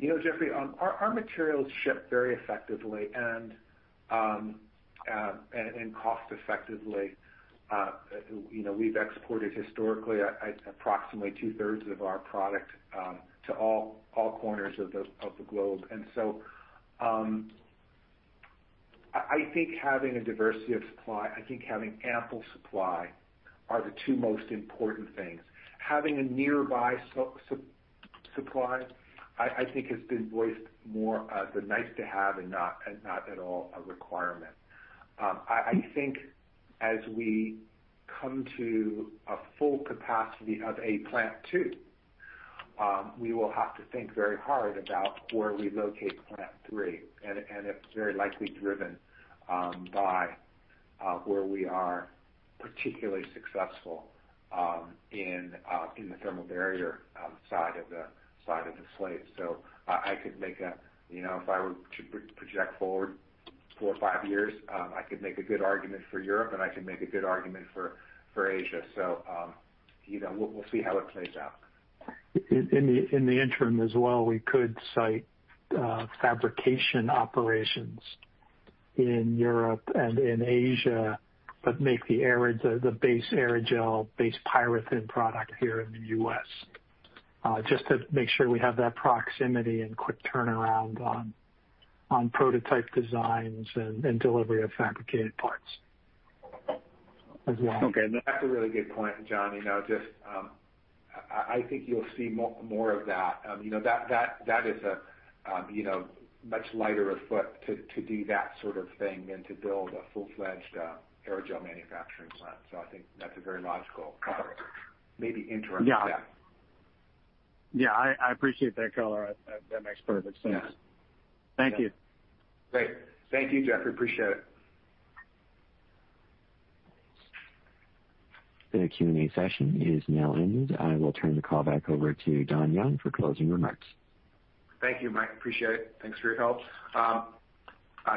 Jeffrey, our materials ship very effectively and cost-effectively. We've exported historically approximately two-thirds of our product to all corners of the globe. And so I think having a diversity of supply, I think having ample supply are the two most important things. Having a nearby supply, I think, has been voiced more as a nice-to-have and not at all a requirement. I think as we come to a full capacity of a plant 2, we will have to think very hard about where we locate plant three, and it's very likely driven by where we are particularly successful in the thermal barrier side of the slate, so I could make a, if I were to project forward four or five years, I could make a good argument for Europe, and I could make a good argument for Asia, so we'll see how it plays out. In the interim as well, we could site fabrication operations in Europe and in Asia but make the base aerogel, base PyroThin product here in the U.S. just to make sure we have that proximity and quick turnaround on prototype designs and delivery of fabricated parts as well. Okay. That's a really good point, John. Just I think you'll see more of that. That is a much lighter footprint to do that sort of thing than to build a full-fledged aerogel manufacturing plant. So I think that's a very logical maybe interim step. Yeah. Yeah. I appreciate that, color. That makes perfect sense. Thank you. Great. Thank you, Jeffrey. Appreciate it. The Q&A session is now ended. I will turn the call back over to Don Young for closing remarks. Thank you, Mike. Appreciate it. Thanks for your help.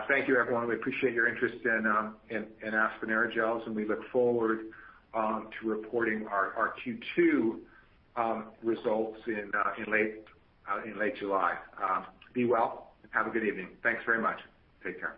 Thank you, everyone. We appreciate your interest in Aspen Aerogels, and we look forward to reporting our Q2 results in late July. Be well. Have a good evening. Thanks very much. Take care.